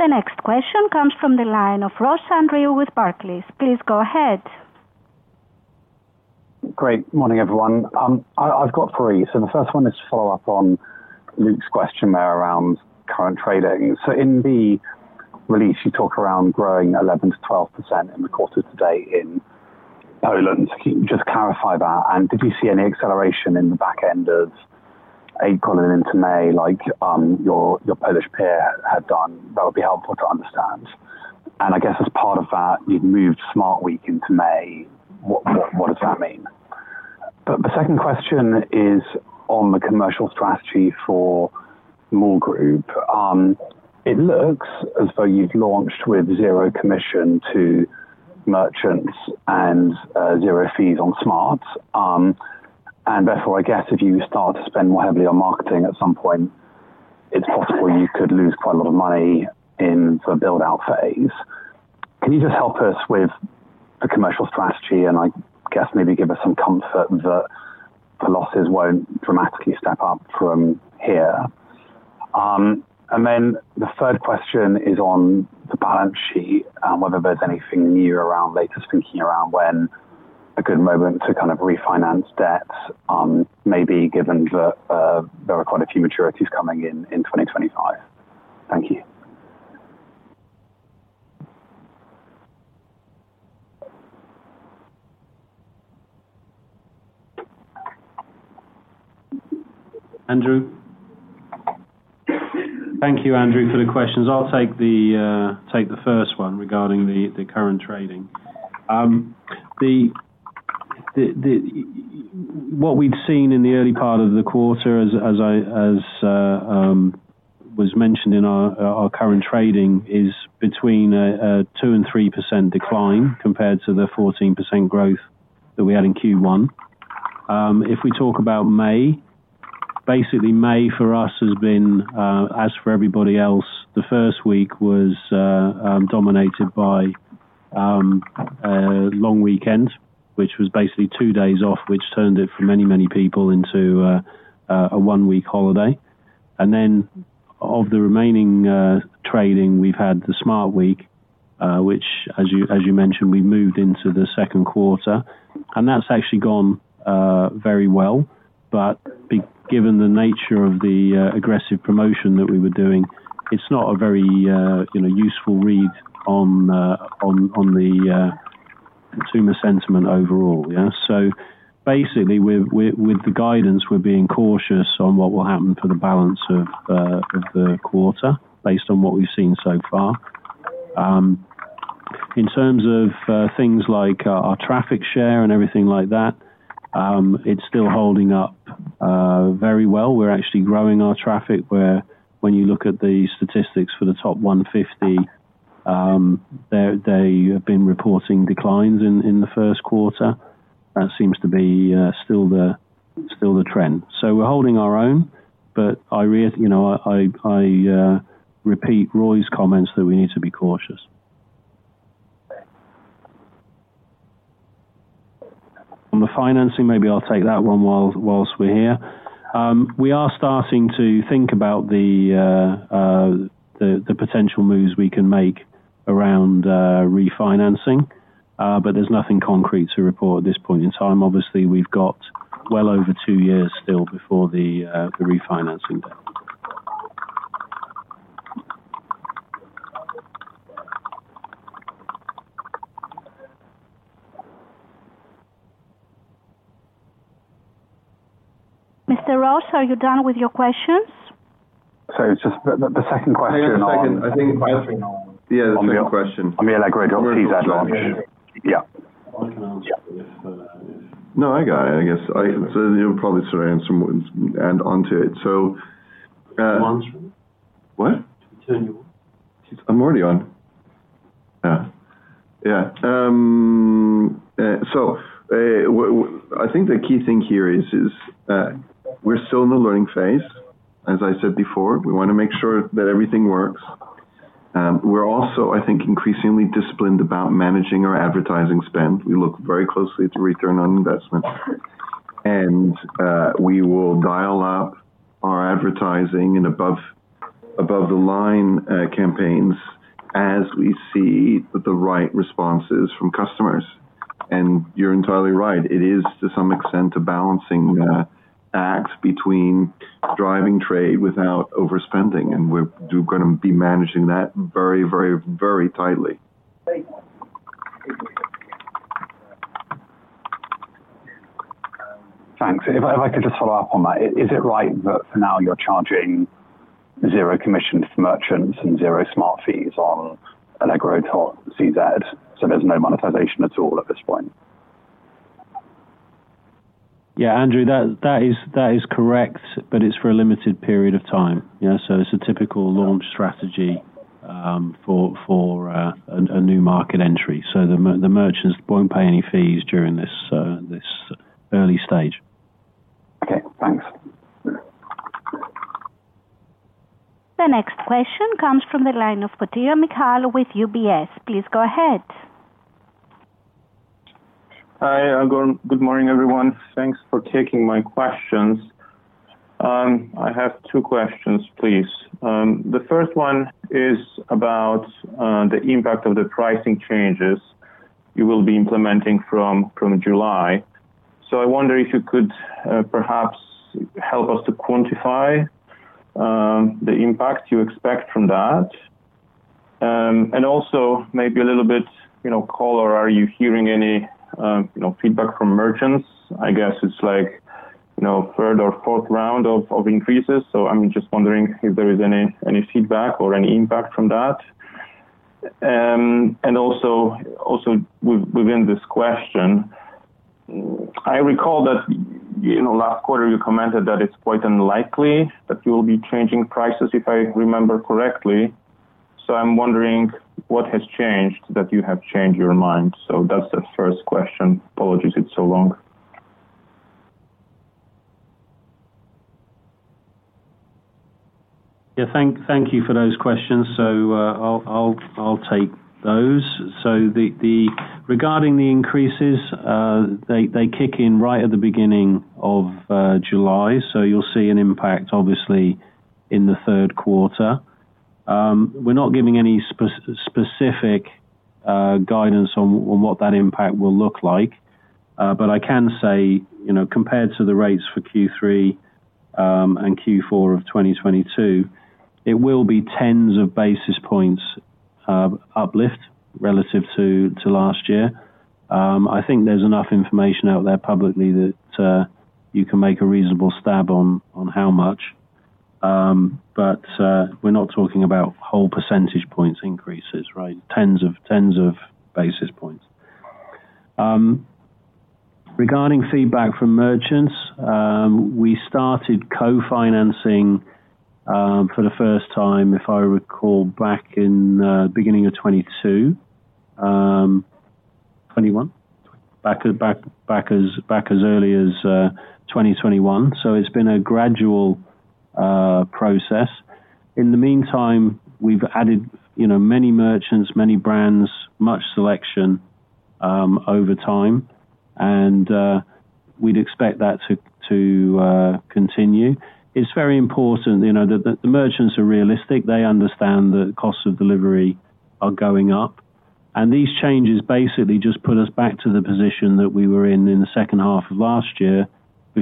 The next question comes from the line of Andrew Ross with Barclays. Please go ahead. Great morning, everyone. I've got three. The first one is to follow up on Luke's question around current trading. In the release, you talk around growing 11%-12% in the course of today in Poland. Can you just clarify that? Did you see any acceleration in the back end of April and into May, like, your Polish peer had done? That would be helpful to understand. I guess as part of that, you've moved Smart! Week into May. What, what does that mean? The second question is on the commercial strategy for Mall Group. It looks as though you've launched with zero commission to merchants and, zero fees on Smart!. Therefore, I guess if you start to spend more heavily on marketing, at some point, it's possible you could lose quite a lot of money in the build-out phase. Can you just help us with the commercial strategy, and I guess maybe give us some comfort that the losses won't dramatically step up from here? Then the third question is on the balance sheet, and whether there's anything new around latest thinking around when a good moment to kind of refinance debts, maybe given that there are quite a few maturities coming in 2025. Thank you. Andrew? Thank you, Andrew, for the questions. I'll take the take the first one regarding the current trading. The what we've seen in the early part of the quarter, as I, as was mentioned in our current trading, is between a 2% and 3% decline compared to the 14% growth that we had in Q1. If we talk about May, basically May for us has been as for everybody else, the first week was dominated by a long weekend, which was basically 2 days off, which turned it for many, many people into a 1-week holiday. Of the remaining trading, we've had the Smart! Week, which as you, as you mentioned, we moved into the second quarter, and that's actually gone very well. Given the nature of the aggressive promotion that we were doing, it's not a very, you know, useful read on the consumer sentiment overall. Basically, with the guidance, we're being cautious on what will happen for the balance of the quarter, based on what we've seen so far. In terms of things like our traffic share and everything like that, it's still holding up very well. We're actually growing our traffic, where when you look at the statistics for the top 150, they have been reporting declines in the first quarter. That seems to be still the trend. We're holding our own, but I, you know, I repeat Roy's comments that we need to be cautious. On the financing, maybe I'll take that one while we're here. We are starting to think about the the potential moves we can make around refinancing. There's nothing concrete to report at this point in time. Obviously, we've got well over two years still before the the refinancing date. Mr. Ross, are you done with your questions? Sorry, just the second question. I think yeah, the second question. On the allegro.cz launch. Yeah. I can answer if. No, I got it, I guess. You'll probably answer and onto it. Do you want to? What? To turn you on. I'm already on. Yeah. I think the key thing here is, we're still in the learning phase, as I said before. We wanna make sure that everything works. We're also, I think, increasingly disciplined about managing our advertising spend. We look very closely to return on investment, and we will dial up our advertising and above the line campaigns as we see the right responses from customers. You're entirely right, it is, to some extent, a balancing act between driving trade without overspending, and we're gonna be managing that very, very, very tightly. Thanks. If I could just follow up on that. Is it right that for now you're charging zero commission to merchants and zero Smart! fees on Allegro CZ, so there's no monetization at all at this point? Andrew, that is correct, but it's for a limited period of time. It's a typical launch strategy for a new market entry. The merchants won't pay any fees during this early stage. Okay, thanks. The next question comes from the line of Michał Potyra with UBS. Please go ahead. Hi, good morning, everyone. Thanks for taking my questions. I have two questions, please. The first one is about the impact of the pricing changes you will be implementing from July. I wonder if you could perhaps help us to quantify the impact you expect from that. Also maybe a little bit, you know, call or are you hearing any, you know, feedback from merchants? I guess it's like, you know, third or fourth round of increases, so I'm just wondering if there is any feedback or any impact from that. Also within this question, I recall that, you know, last quarter you commented that it's quite unlikely that you will be changing prices, if I remember correctly. I'm wondering what has changed, that you have changed your mind. That's the first question. Apologies, it's so long. Yeah, thank you for those questions. I'll take those. Regarding the increases, they kick in right at the beginning of July. You'll see an impact, obviously, in the third quarter. We're not giving any specific guidance on what that impact will look like. I can say, you know, compared to the rates for Q3 and Q4 of 2022, it will be tens of basis points uplift relative to last year. I think there's enough information out there publicly that you can make a reasonable stab on how much. We're not talking about whole percentage points increases, right? Tens of basis points. Regarding feedback from merchants, we started co-financing for the first time, if I recall, back in beginning of 2022, 2021? Back as early as 2021. It's been a gradual process. In the meantime, we've added, you know, many merchants, many brands, much selection over time, and we'd expect that to continue. It's very important, you know, the merchants are realistic. They understand the costs of delivery are going up, and these changes basically just put us back to the position that we were in the second half of last year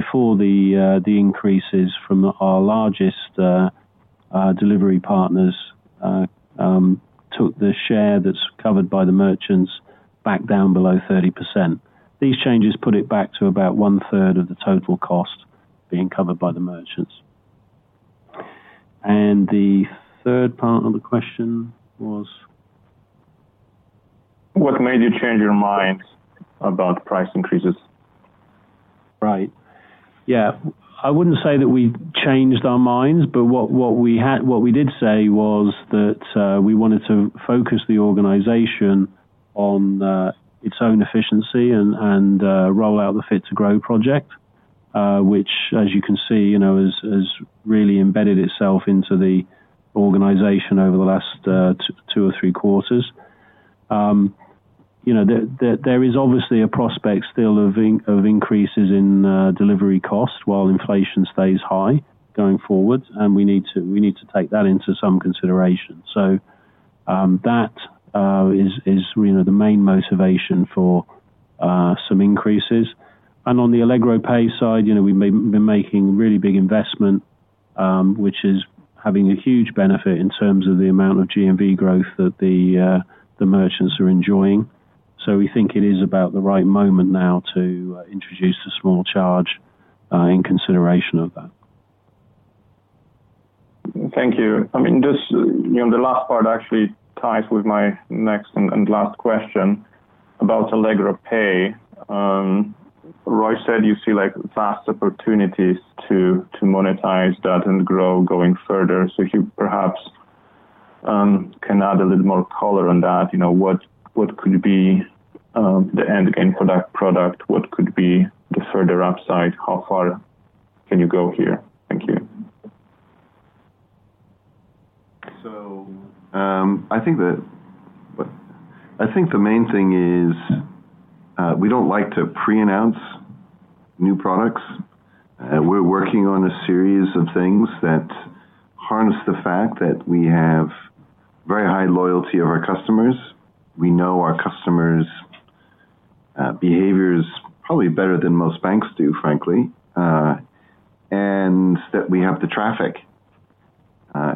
before the increases from our largest delivery partners took the share that's covered by the merchants back down below 30%. These changes put it back to about one third of the total cost being covered by the merchants. The third part of the question was? What made you change your mind about price increases? Right. Yeah. I wouldn't say that we changed our minds, what we did say was that we wanted to focus the organization on its own efficiency and roll out the Fit to Grow project, which, as you can see, you know, has really embedded itself into the organization over the last two or three quarters. You know, there is obviously a prospect still of increases in delivery costs while inflation stays high going forward. We need to take that into some consideration. That is, you know, the main motivation for some increases. On the Allegro Pay side, you know, we've been making really big investment, which is having a huge benefit in terms of the amount of GMV growth that the merchants are enjoying. We think it is about the right moment now to introduce a small charge in consideration of that. Thank you. I mean, just, you know, the last part actually ties with my next and last question about Allegro Pay. Roy said you see, like, vast opportunities to monetize that and grow going further. If you perhaps can add a little more color on that, you know, what could be the end game for that product? What could be the further upside? How far can you go here? Thank you. I think the main thing is, we don't like to preannounce new products. We're working on a series of things that harness the fact that we have very high loyalty of our customers. We know our customers' behaviors probably better than most banks do, frankly, and that we have the traffic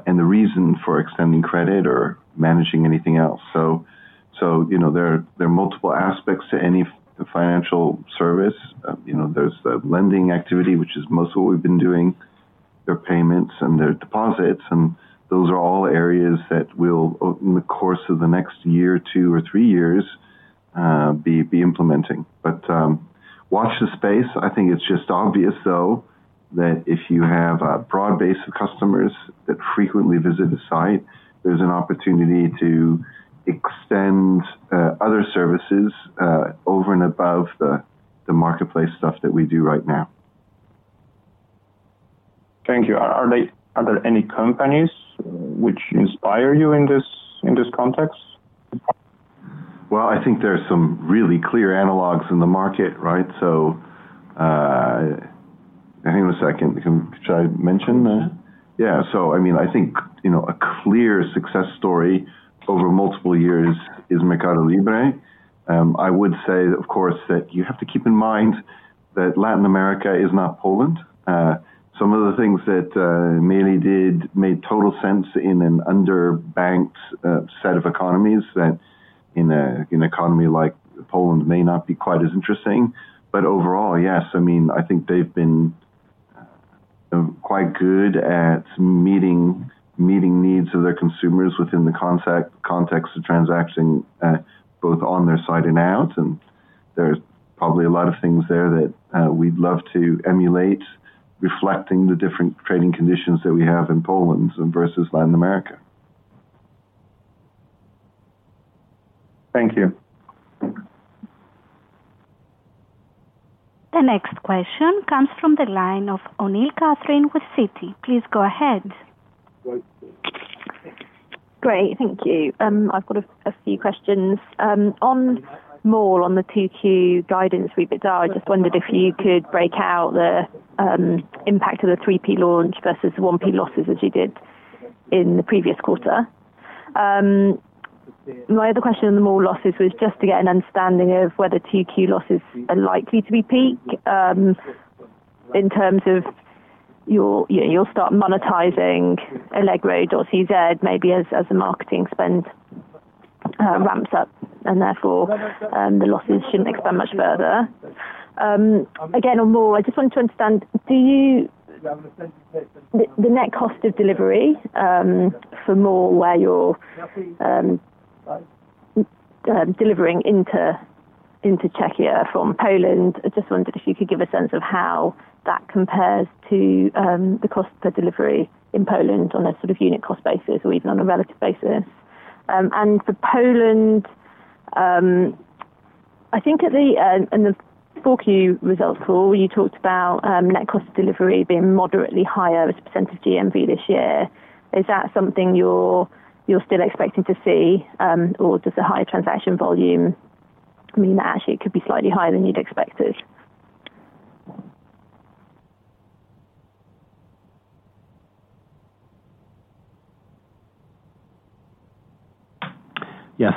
and the reason for extending credit or managing anything else. You know, there are multiple aspects to any financial service. You know, there's the lending activity, which is mostly what we've been doing. There are payments and there are deposits, and those are all areas that we'll in the course of the next year or two or three years be implementing. Watch this space. I think it's just obvious, though, that if you have a broad base of customers that frequently visit the site, there's an opportunity to extend other services over and above the marketplace stuff that we do right now. Thank you. Are there any companies which inspire you in this context? Well, I think there are some really clear analogs in the market, right? Hang on a second. Should I mention that? Mm-hmm. Yeah. I mean, I think, you know, a clear success story over multiple years is Mercado Libre. I would say, of course, that you have to keep in mind that Latin America is not Poland. Some of the things that Mercado did made total sense in an underbanked set of economies that in an economy like Poland, may not be quite as interesting. Overall, yes, I mean, I think they've been quite good at meeting needs of their consumers within the context of transacting, both on their side and out, and there's probably a lot of things there that we'd love to emulate, reflecting the different trading conditions that we have in Poland and versus Latin America. Thank you. The next question comes from the line of Catherine O'Neill with Citi. Please go ahead. Great, thank you. I've got a few questions. On Mall, on the TQ guidance we bit, I just wondered if you could break out the impact of the 3P launch versus 1P losses, as you did in the previous quarter. My other question on the Mall losses was just to get an understanding of whether TQ losses are likely to be peak, in terms of you'll, you know, you'll start monetizing allegro.cz, maybe as the marketing spend ramps up. Therefore, the losses shouldn't expand much further. Again, on Mall, I just wanted to understand, do you. The net cost of delivery for Mall, where you're delivering into Czechia from Poland, I just wondered if you could give a sense of how that compares to the cost per delivery in Poland on a sort of unit cost basis or even on a relative basis. For Poland, I think at the in the Q4 results call, you talked about net cost of delivery being moderately higher as a percentage of GMV this year. Is that something you're still expecting to see? Does the higher transaction volume mean that actually it could be slightly higher than you'd expected?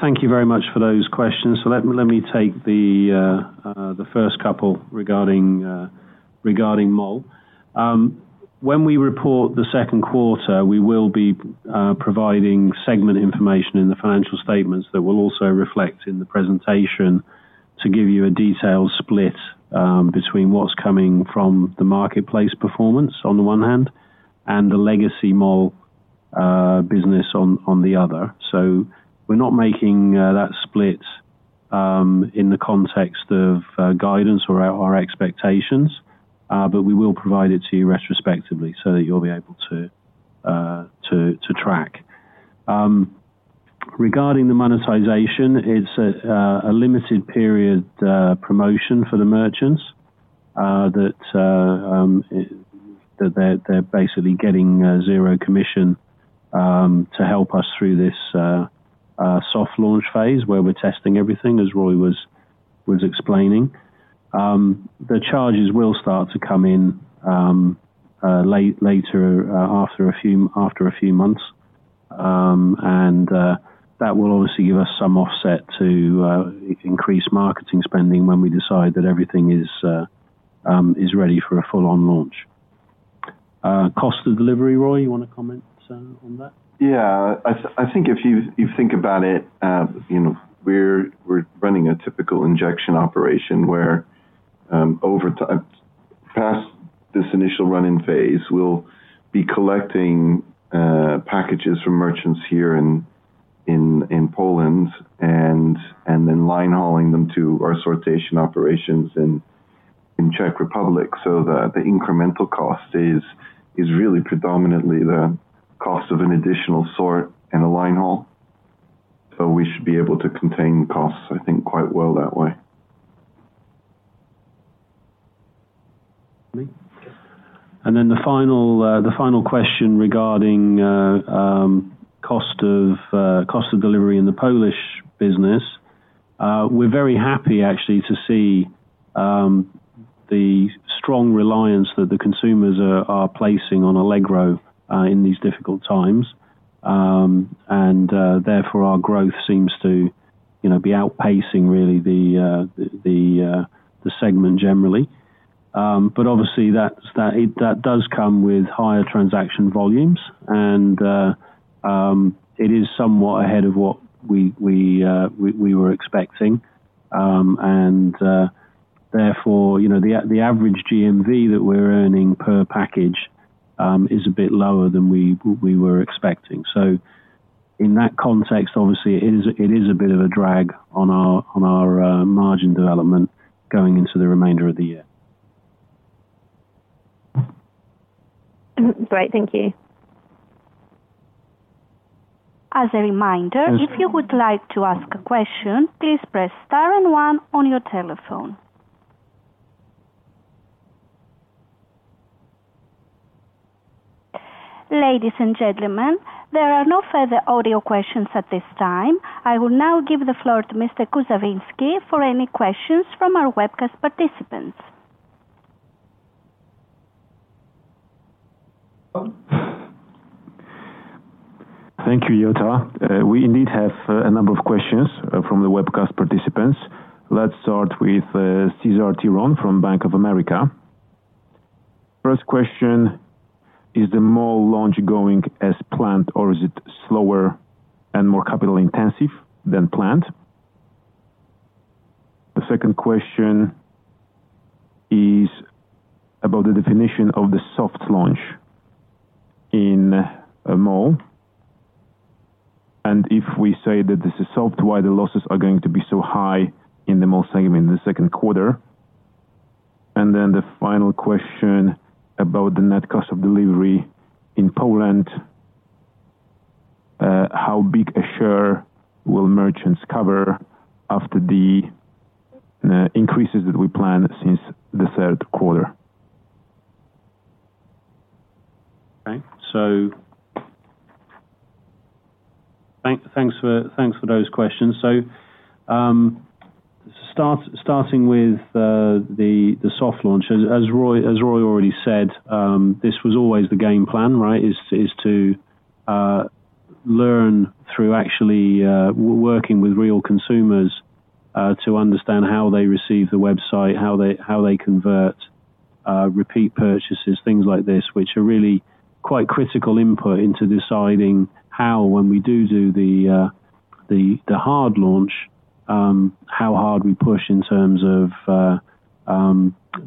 Thank you very much for those questions. Let me, let me take the first couple regarding regarding Mall. When we report the second quarter, we will be providing segment information in the financial statements that will also reflect in the presentation, to give you a detailed split between what's coming from the marketplace performance on the one hand, and the legacy Mall business on the other. We're not making that split in the context of guidance or our expectations, but we will provide it to you retrospectively so that you'll be able to track. Regarding the monetization, it's a limited period promotion for the merchants that they're basically getting zero commission to help us through this soft launch phase, where we're testing everything, as Roy was explaining. The charges will start to come in later, after a few months. That will obviously give us some offset to increase marketing spending when we decide that everything is ready for a full-on launch. Cost of delivery, Roy, you want to comment on that? Yeah. I think if you think about it, you know, we're running a typical injection operation where over time-- past this initial run-in phase, we'll be collecting packages from merchants here in Poland and then line hauling them to our sortation operations in Czech Republic. The incremental cost is really predominantly the cost of an additional sort and a line haul. We should be able to contain costs, I think, quite well that way. The final question regarding cost of delivery in the Polish business. We're very happy actually to see the strong reliance that the consumers are placing on Allegro in these difficult times. Therefore, our growth seems to, you know, be outpacing really the segment generally. Obviously, that's that does come with higher transaction volumes, and it is somewhat ahead of what we were expecting. Therefore, you know, the average GMV that we're earning per package is a bit lower than we were expecting. In that context, obviously, it is a bit of a drag on our margin development going into the remainder of the year. Great. Thank you. As a reminder, if you would like to ask a question, please press star 1 on your telephone. Ladies and gentlemen, there are no further audio questions at this time. I will now give the floor to Mr. Kuzawinski for any questions from our webcast participants. Thank you, Yota. We indeed have a number of questions from the webcast participants. Let's start with Cesar Tiron from Bank of America. First question: Is the Mall launch going as planned, or is it slower and more capital intensive than planned? The second question is about the definition of the soft launch in a Mall, and if we say that this is soft, why the losses are going to be so high in the Mall segment in the second quarter? The final question about the net cost of delivery in Poland. How big a share will merchants cover after the increases that we planned since the third quarter? Okay. Thanks for those questions. Starting with the soft launch. As Roy already said, this was always the game plan, right? Is to learn through actually working with real consumers to understand how they receive the website, how they convert, repeat purchases, things like this, which are really quite critical input into deciding how, when we do the hard launch, how hard we push in terms of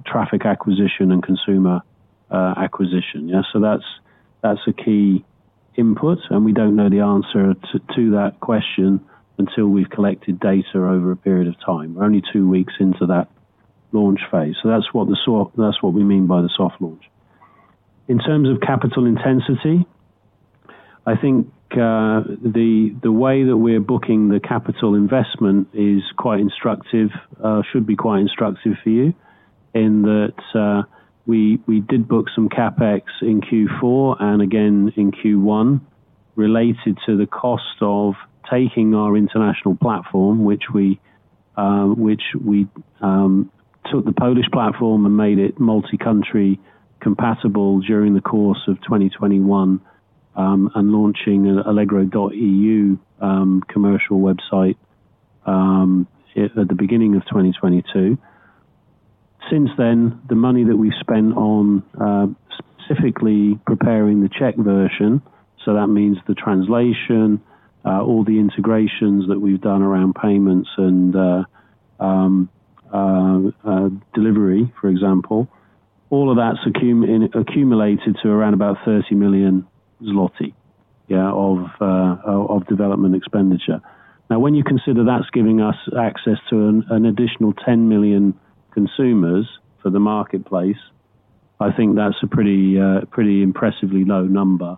traffic acquisition and consumer acquisition. Yeah, that's a key input, and we don't know the answer to that question until we've collected data over a period of time. We're only two weeks into that launch phase. That's what we mean by the soft launch. In terms of capital intensity, I think, the way that we're booking the capital investment is quite instructive, should be quite instructive for you in that we did book some CapEx in Q4 and again in Q1, related to the cost of taking our international platform, which we took the Polish platform and made it multi-country compatible during the course of 2021, and launching allegro.eu commercial website at the beginning of 2022. Since then, the money that we spent on specifically preparing the Czech version, so that means the translation, all the integrations that we've done around payments and delivery, for example, all of that's accumulated to around about 30 million zloty of development expenditure. When you consider that's giving us access to an additional 10 million consumers for the marketplace, I think that's a pretty impressively low number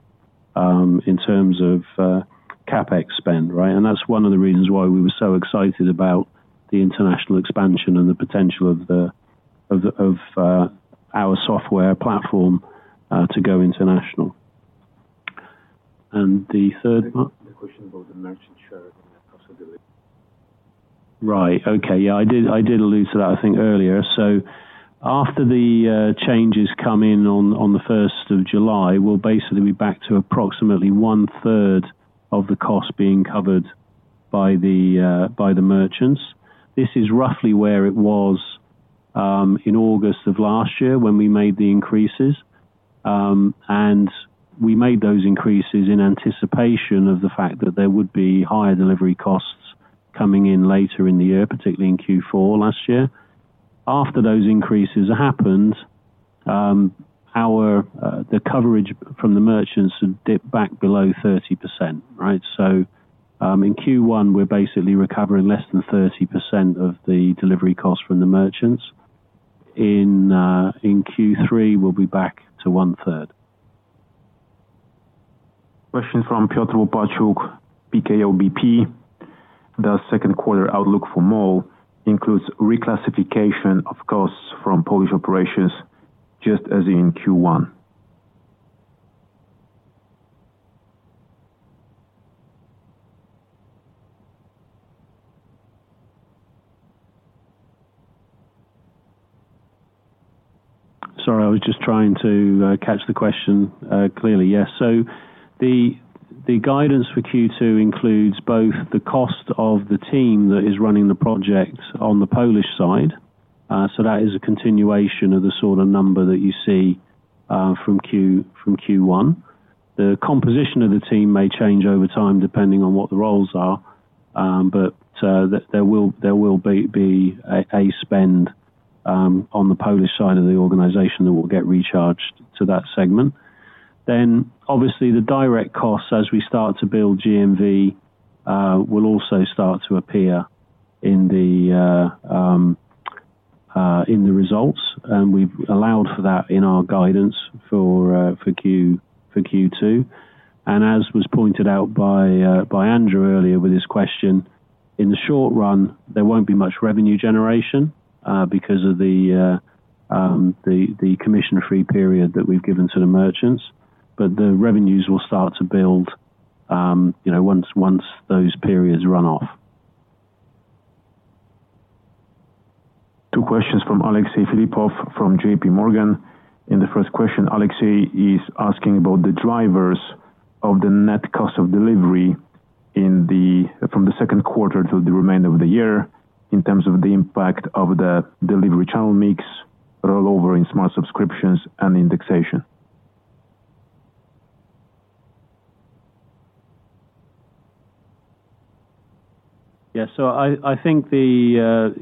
in terms of CapEx spend, right? That's one of the reasons why we were so excited about the international expansion and the potential of the software platform to go international. The third part? The question about the merchant share and the possibility. Right. Okay. Yeah, I did allude to that, I think earlier. After the changes come in on the first of July, we'll basically be back to approximately one-third of the cost being covered by the merchants. This is roughly where it was in August of last year when we made the increases. We made those increases in anticipation of the fact that there would be higher delivery costs coming in later in the year, particularly in Q4 last year. After those increases happened, our the coverage from the merchants had dipped back below 30%, right? In Q1, we're basically recovering less than 30% of the delivery costs from the merchants. In Q3, we'll be back to one-third. Question from Piotr Łopaciuk, PKO BP. Does second quarter outlook for Mall includes reclassification of costs from Polish operations just as in Q1? Sorry, I was just trying to catch the question clearly. Yes. The guidance for Q2 includes both the cost of the team that is running the project on the Polish side. That is a continuation of the sort of number that you see from Q1. The composition of the team may change over time, depending on what the roles are, but there will be a spend on the Polish side of the organization that will get recharged to that segment. Obviously, the direct costs, as we start to build GMV, will also start to appear in the results, and we've allowed for that in our guidance for Q2. As was pointed out by Andrew earlier with his question, in the short run, there won't be much revenue generation, because of the commission-free period that we've given to the merchants, but the revenues will start to build, you know, once those periods run off. Two questions from Alexey Philippov from JP Morgan. In the first question, Alexey is asking about the drivers of the net cost of delivery from the second quarter to the remainder of the year, in terms of the impact of the delivery channel mix, rollover in smart subscriptions and indexation. I think the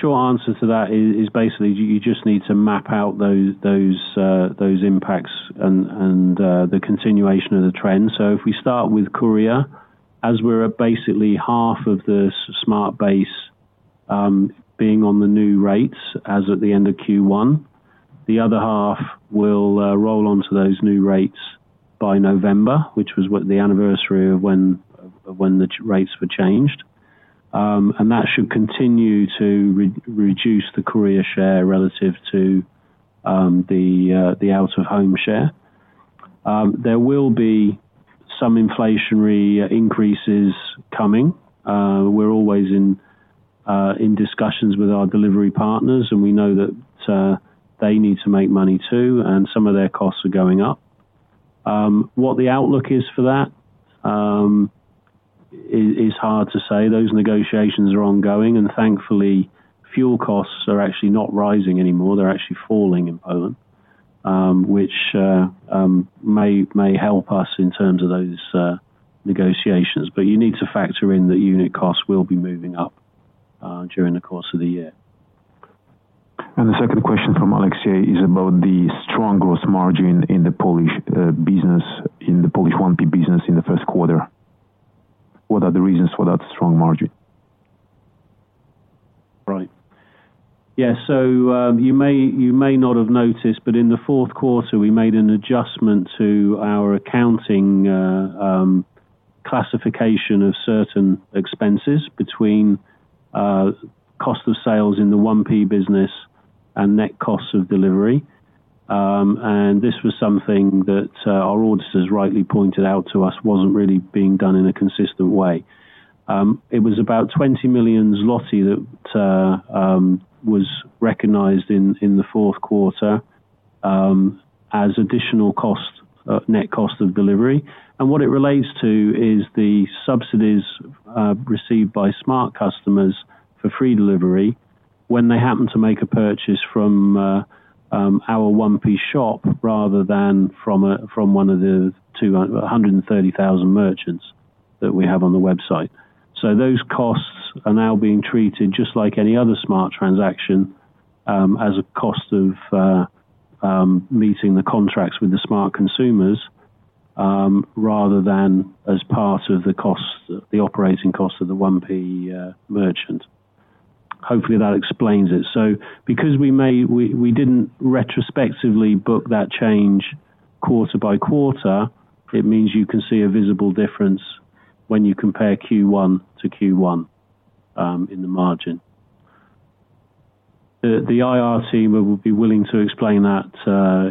short answer to that is basically you just need to map out those impacts and the continuation of the trend. If we start with Smart! Courier, as we're at basically half of the Smart! base being on the new rates as at the end of Q1, the other half will roll on to those new rates by November, which was the anniversary of when the rates were changed. That should continue to re-reduce the Courier share relative to the out-of-home share. There will be some inflationary increases coming. We're always in discussions with our delivery partners, and we know that they need to make money, too, and some of their costs are going up. What the outlook is for that is hard to say. Thankfully, fuel costs are actually not rising anymore. They're actually falling in Poland, which may help us in terms of those negotiations. You need to factor in that unit costs will be moving up during the course of the year. The second question from Alexey is about the strong gross margin in the Polish business, in the Polish 1P business in the first quarter. What are the reasons for that strong margin? Right. Yeah. You may, you may not have noticed, in the fourth quarter, we made an adjustment to our accounting classification of certain expenses between cost of sales in the 1P business and net cost of delivery. This was something that our auditors rightly pointed out to us, wasn't really being done in a consistent way. It was about 20 million zloty that was recognized in the fourth quarter as additional cost, net cost of delivery. What it relates to is the subsidies received by Smart! customers for free delivery when they happen to make a purchase from our 1P shop rather than from one of the 230,000 merchants that we have on the website. Those costs are now being treated just like any other Smart! transaction, as a cost of meeting the contracts with the Smart! consumers, rather than as part of the costs, the operating costs of the 1P merchant. Hopefully, that explains it. Because we didn't retrospectively book that change quarter by quarter, it means you can see a visible difference when you compare Q1 to Q1, in the margin. The IR team will be willing to explain that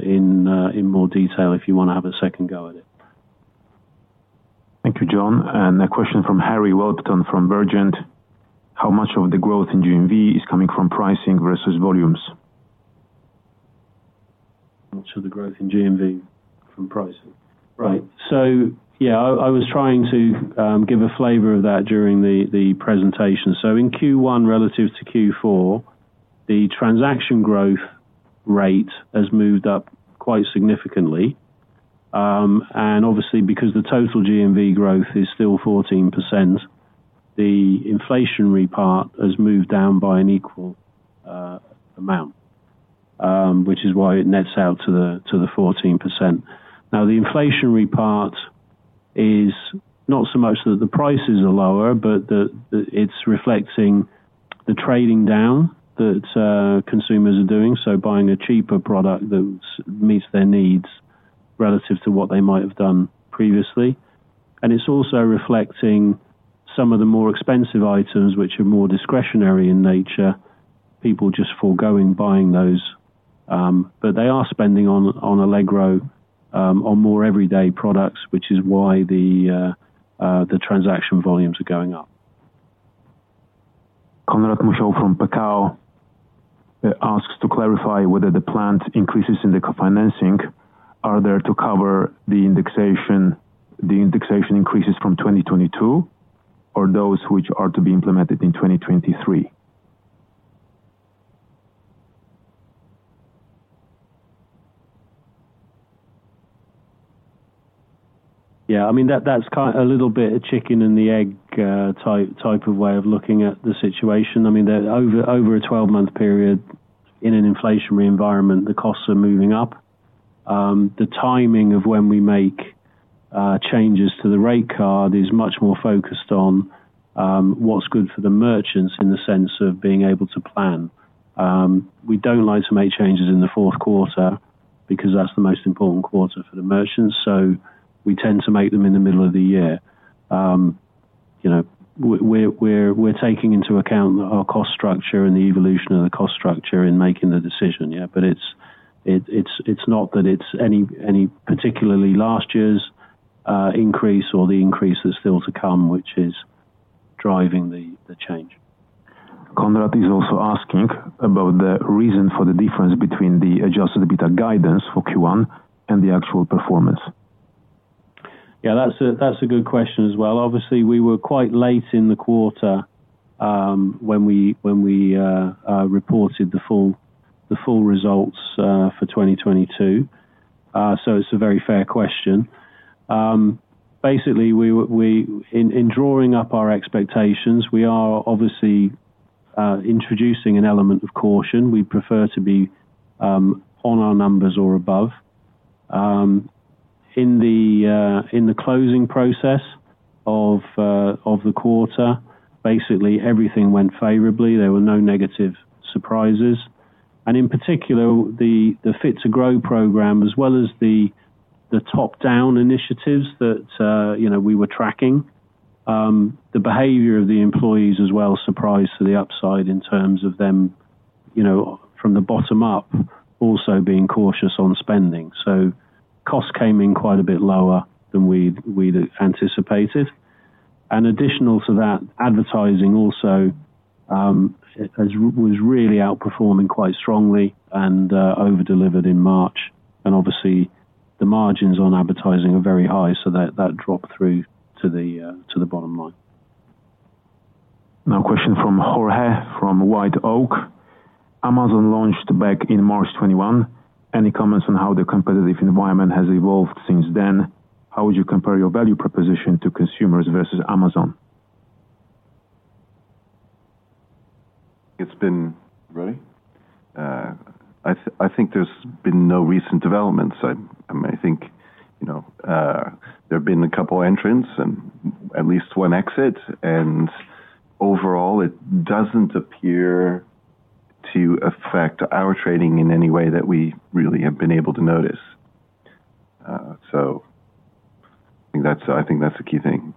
in more detail if you want to have a second go at it. Thank you, Jon. A question from Harry Walton, from VIGENT. How much of the growth in GMV is coming from pricing versus volumes? Much of the growth in GMV from pricing? Right. Yeah, I was trying to give a flavor of that during the presentation. In Q1, relative to Q4, the transaction growth rate has moved up quite significantly. Obviously, because the total GMV growth is still 14%, the inflationary part has moved down by an equal amount, which is why it nets out to the 14%. The inflationary part is not so much that the prices are lower, but it's reflecting the trading down that consumers are doing, so buying a cheaper product that meets their needs relative to what they might have done previously. It's also reflecting some of the more expensive items, which are more discretionary in nature, people just foregoing buying those. They are spending on Allegro, on more everyday products, which is why the transaction volumes are going up. Konrad Musiał from Pekao asks to clarify whether the planned increases in the co-financing are there to cover the indexation increases from 2022, or those which are to be implemented in 2023? I mean, that's a little bit a chicken and the egg type of way of looking at the situation. I mean, over a 12-month period in an inflationary environment, the costs are moving up. The timing of when we make changes to the rate card is much more focused on what's good for the merchants in the sense of being able to plan. We don't like to make changes in the fourth quarter, because that's the most important quarter for the merchants, so we tend to make them in the middle of the year. You know, we're taking into account our cost structure and the evolution of the cost structure in making the decision, yeah. It's not that it's any particularly last year's increase or the increase that's still to come, which is driving the change. Konrad is also asking about the reason for the difference between the adjusted EBITDA guidance for Q1 and the actual performance. Yeah, that's a good question as well. Obviously, we were quite late in the quarter, when we reported the full results for 2022, so it's a very fair question. Basically, in drawing up our expectations, we are obviously introducing an element of caution. We prefer to be on our numbers or above. In the closing process of the quarter, basically, everything went favorably. There were no negative surprises. In particular, the Fit to Grow program, as well as the top-down initiatives that, you know, we were tracking, the behavior of the employees as well surprised to the upside in terms of them, you know, from the bottom up, also being cautious on spending. Costs came in quite a bit lower than we'd anticipated. Additional to that, advertising also as was really outperforming quite strongly and over-delivered in March. Obviously, the margins on advertising are very high, so that dropped through to the bottom line. A question from Jorge Gonzalez, from White OAK. Amazon launched back in March 2021. Any comments on how the competitive environment has evolved since then? How would you compare your value proposition to consumers versus Amazon? It's been... Roy? I think there's been no recent developments. I think, you know, there have been a couple entrants and at least one exit, and overall, it doesn't appear to affect our trading in any way that we really have been able to notice. I think that's a key thing.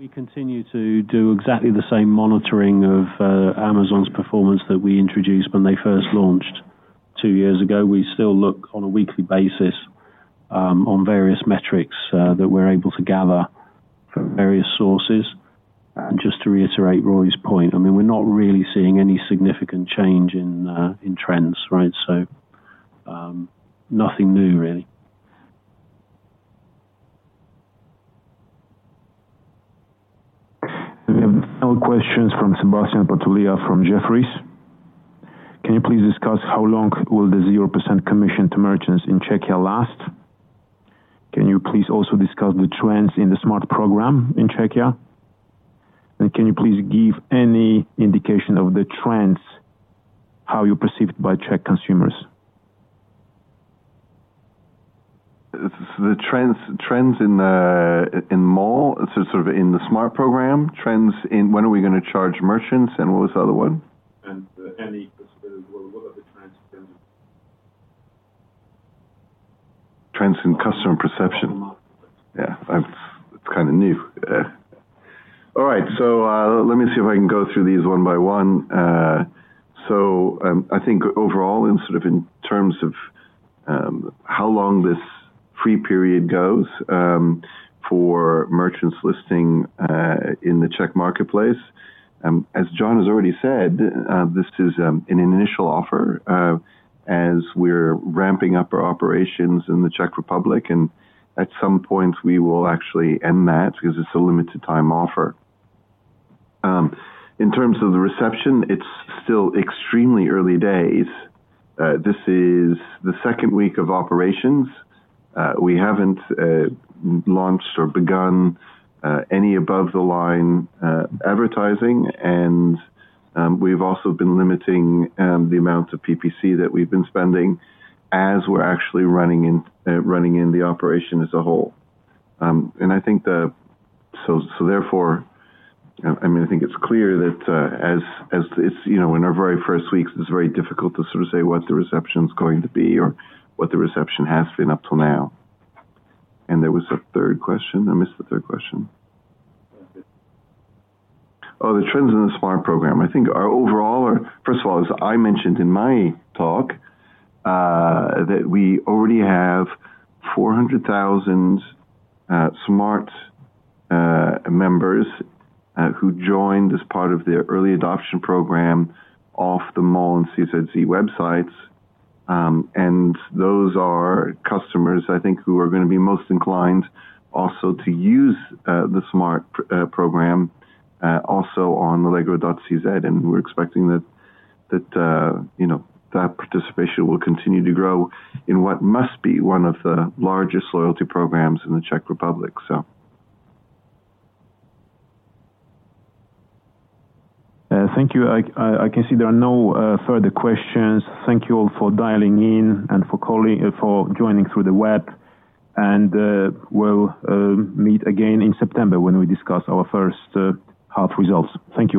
We continue to do exactly the same monitoring of Amazon's performance that we introduced when they first launched two years ago. We still look on a weekly basis on various metrics that we're able to gather from various sources. Just to reiterate Roy's point, I mean, we're not really seeing any significant change in trends, right? Nothing new, really. We have more questions from Sebastian Patulea from Jefferies. Can you please discuss how long will the 0% commission to merchants in Czechia last? Can you please also discuss the trends in the Smart! program in Czechia? Can you please give any indication of the trends, how you're perceived by Czech consumers? The trends in Mall, so sort of in the Smart! program, trends in when are we gonna charge merchants, and what was the other one? any Customer perception. Yeah, that's, it's kind of new. All right, so, let me see if I can go through these one by one. I think overall, in sort of in terms of, how long this free period goes, for merchants listing, in the Czech marketplace, as Jon has already said, this is an initial offer, as we're ramping up our operations in the Czech Republic, and at some point, we will actually end that because it's a limited time offer. In terms of the reception, it's still extremely early days. This is the second week of operations. We haven't launched or begun any above the line advertising, and we've also been limiting the amount of PPC that we've been spending as we're actually running in the operation as a whole. I think therefore, I mean, I think it's clear that as it's, you know, in our very first weeks, it's very difficult to sort of say what the reception is going to be or what the reception has been up till now. There was a third question. I missed the third question. Oh, the trends in the Smart! Program. I think our overall, first of all, as I mentioned in my talk, that we already have 400,000 Smart! members who joined as part of their early adoption program off the Mall and CZ websites. Those are customers, I think, who are gonna be most inclined also to use the Smart! program also on allegro.cz, and we're expecting that, you know, that participation will continue to grow in what must be one of the largest loyalty programs in the Czech Republic, so. Thank you. I can see there are no further questions. Thank you all for dialing in and for calling, for joining through the web. We'll meet again in September when we discuss our first half results. Thank you all.